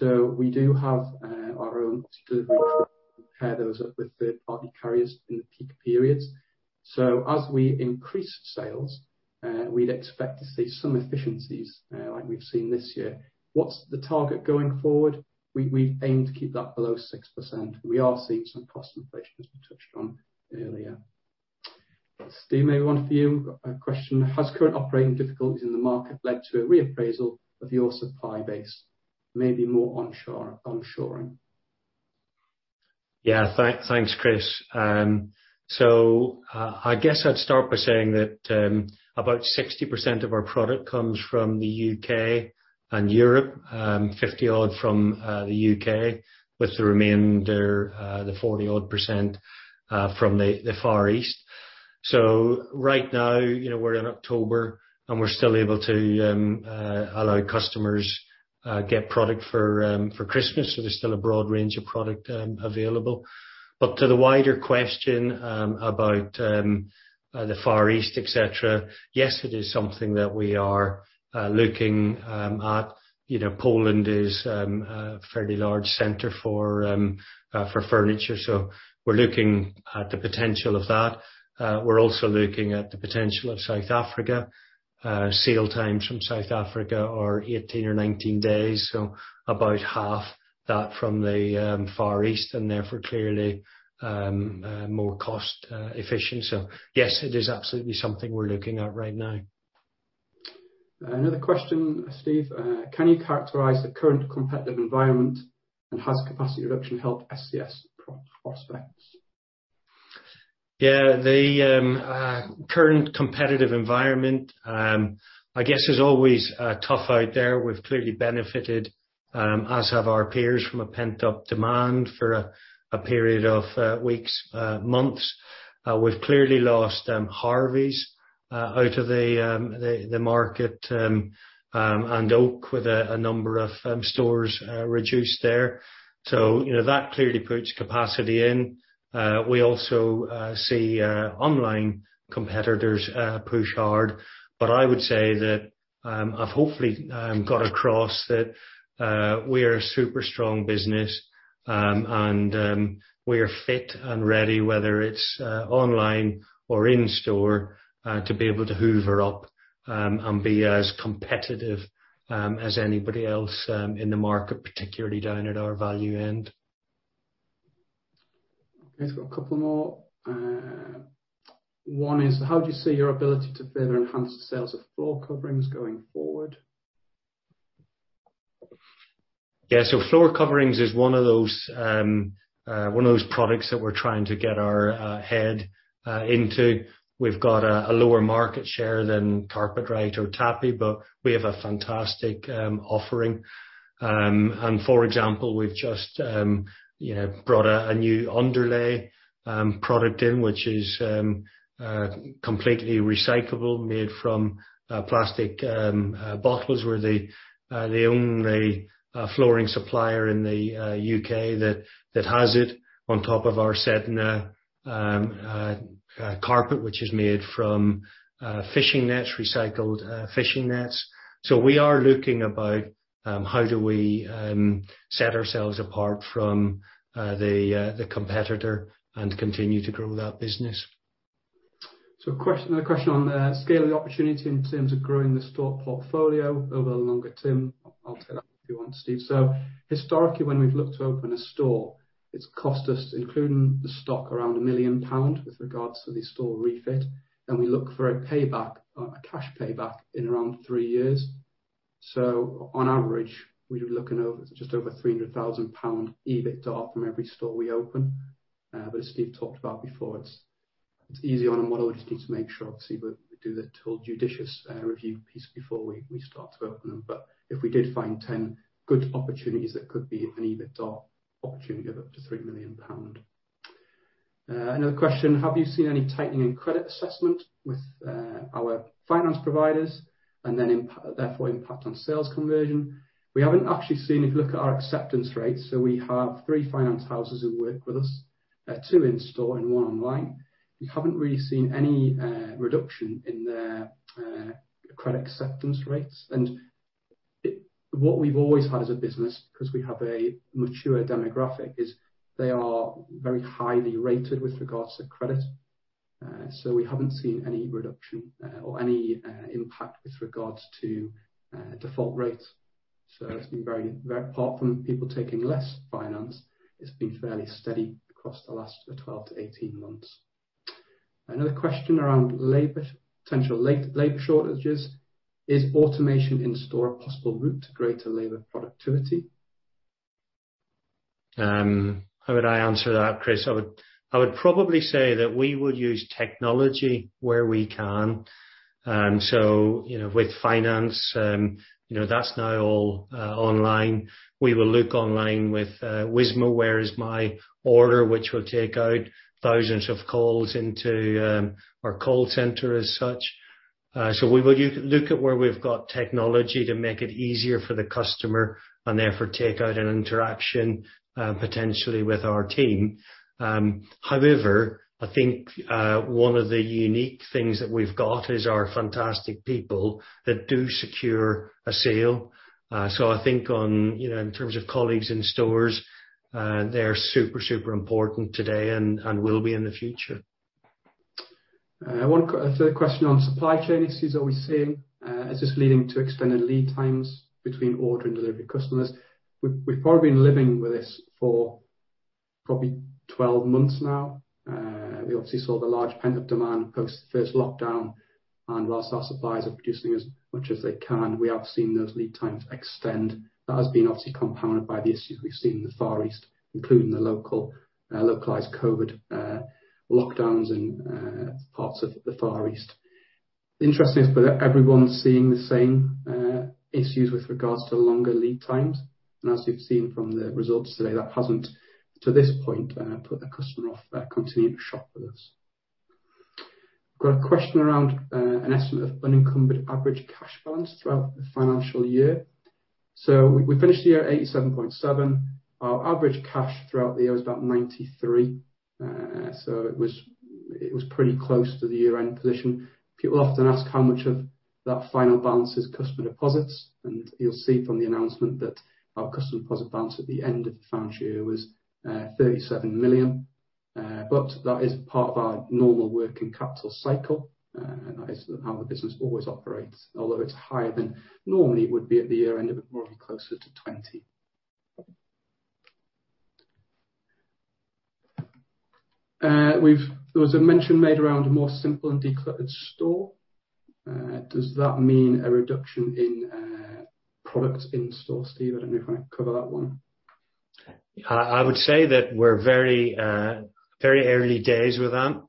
We do have our own delivery trucks. We pair those up with third party carriers in the peak periods. As we increase sales, we'd expect to see some efficiencies like we've seen this year. What's the target going forward? We aim to keep that below 6%. We are seeing some cost inflation as we touched on earlier. Steve, maybe one for you. A question, has current operating difficulties in the market led to a reappraisal of your supply base? Maybe more onshoring. Yeah. Thanks, Chris. I guess I'd start by saying that about 60% of our product comes from the U.K. and Europe, 50 odd from the U.K. with the remainder, the 40% from the Far East. Right now, we're in October and we're still able to allow customers get product for Christmas. There's still a broad range of product available. To the wider question about the Far East, et cetera, yes, it is something that we are looking at. Poland is a fairly large center for furniture, so we're looking at the potential of that. We're also looking at the potential of South Africa. Sail times from South Africa are 18 or 19 days, so about half that from the Far East and therefore clearly more cost efficient. Yes, it is absolutely something we're looking at right now. Another question, Steve, can you characterize the current competitive environment and has capacity reduction helped ScS prospects? The current competitive environment, I guess it's always tough out there. We've clearly benefited, as have our peers, from a pent-up demand for a period of weeks, months. We've clearly lost Harveys out of the market, and Oak with a number of stores reduced there. That clearly puts capacity in. I would say that I've hopefully got across that we're a super strong business and we're fit and ready, whether it's online or in store, to be able to hoover up and be as competitive as anybody else in the market, particularly down at our value end. Okay, a couple more. One is, how do you see your ability to further enhance the sales of floor coverings going forward? Yeah. Floor coverings is one of those products that we're trying to get our head into. We've got a lower market share than Carpetright or Tapi, but we have a fantastic offering. For example, we've just brought a new underlay product in, which is completely recyclable, made from plastic bottles. We're the only flooring supplier in the U.K. that has it on top of our Sedna carpet which is made from fishing nets, recycled fishing nets. We are looking about how do we set ourselves apart from the competitor and continue to grow that business. Question, another question on the scaling opportunity in terms of growing the store portfolio over the longer term. I'll take that if you want, Steve. Historically, when we've looked to open a store, it's cost us, including the stock, around 1 million pound with regards to the store refit, and we look for a payback, a cash payback in around three years. On average, we're looking over just over 300,000 pound EBITDA from every store we open. As Steve talked about before, it's easy on a model. We just need to make sure, obviously, we do the whole judicious review piece before we start to open them. If we did find 10 good opportunities, that could be an EBITDA opportunity of up to 3 million pound. Another question, have you seen any tightening in credit assessment with our finance providers and then therefore impact on sales conversion? We haven't actually seen if you look at our acceptance rates. We have three finance houses who work with us, two in store and one online. We haven't really seen any reduction in their credit acceptance rates. What we've always had as a business, because we have a mature demographic, is they are very highly rated with regards to credit. We haven't seen any reduction or any impact with regards to default rates. It's been very, apart from people taking less finance, it's been fairly steady across the last 12-18 months. Another question around labor, potential labor shortages. Is automation in store a possible route to greater labor productivity? How would I answer that, Chris? I would probably say that we would use technology where we can. With finance, that's now all online. We will look online with WISMO, Where's My Order, which will take out thousands of calls into our call center as such. We will look at where we've got technology to make it easier for the customer and therefore take out an interaction potentially with our team. However, I think one of the unique things that we've got is our fantastic people that do secure a sale. I think in terms of colleagues in stores, they're super important today and will be in the future. One third question on supply chain issues, are we seeing, is this leading to extended lead times between order and delivery customers? We've probably been living with this for probably 12 months now. We obviously saw the large pent-up demand post first lockdown, whilst our suppliers are producing as much as they can, we have seen those lead times extend. That has been obviously compounded by the issues we've seen in the Far East, including the localized COVID lockdowns in parts of the Far East. Interesting for everyone seeing the same issues with regards to longer lead times, as you've seen from the results today, that hasn't, to this point, put the customer off continuing to shop with us. We got a question around an estimate of unencumbered average cash balance throughout the financial year. We finished the year at 87.7. Our average cash throughout the year was about 93. It was pretty close to the year-end position. People often ask how much of that final balance is customer deposits. You'll see from the announcement that our customer deposit balance at the end of the financial year was 37 million. That is part of our normal working capital cycle. That is how the business always operates. Although it's higher than normally it would be at the year-end, it would more be closer to GBP 20. There was a mention made around a more simple and decluttered store. Does that mean a reduction in products in store, Steve? I don't know if you want to cover that one. I would say that we're very early days with that.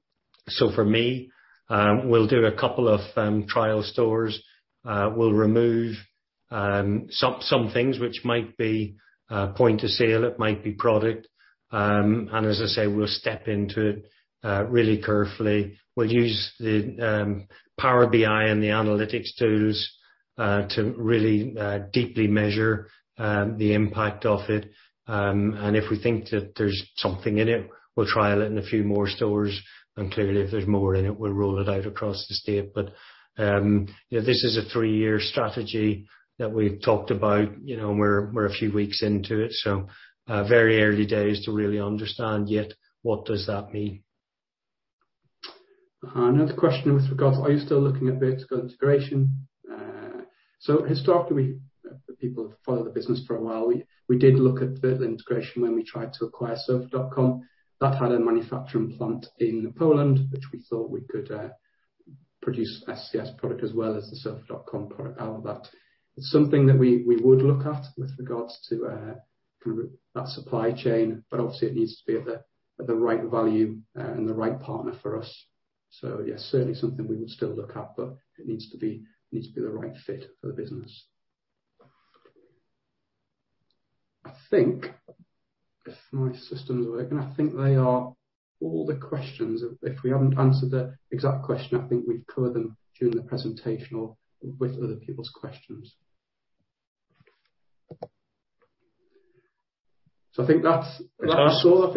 For me, we'll do two trial stores. We'll remove some things which might be point of sale, it might be product. As I say, we'll step into it really carefully. We'll use the Power BI and the analytics tools to really deeply measure the impact of it. If we think that there's something in it, we'll trial it in a few more stores. Clearly, if there's more in it, we'll roll it out across the state. This is a three-year strategy that we've talked about, and we're a few weeks into it, very early days to really understand yet what does that mean. Another question with regards, are you still looking at vertical integration? Historically, for people who have followed the business for a while, we did look at vertical integration when we tried to acquire Sofa.com. That had a manufacturing plant in Poland, which we thought we could produce ScS product as well as the Sofa.com product out of that. It's something that we would look at with regards to that supply chain, but obviously it needs to be at the right value and the right partner for us. Yes, certainly something we would still look at, but it needs to be the right fit for the business. I think if my system's working, I think they are all the questions. If we haven't answered the exact question, I think we've covered them during the presentation or with other people's questions. I think that's all.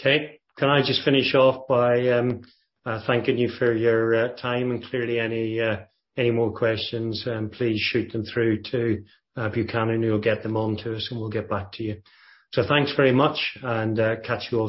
Okay. Can I just finish off by thanking you for your time and clearly any more questions, please shoot them through to Buchanan, who will get them onto us, and we'll get back to you. Thanks very much, and catch you all soon.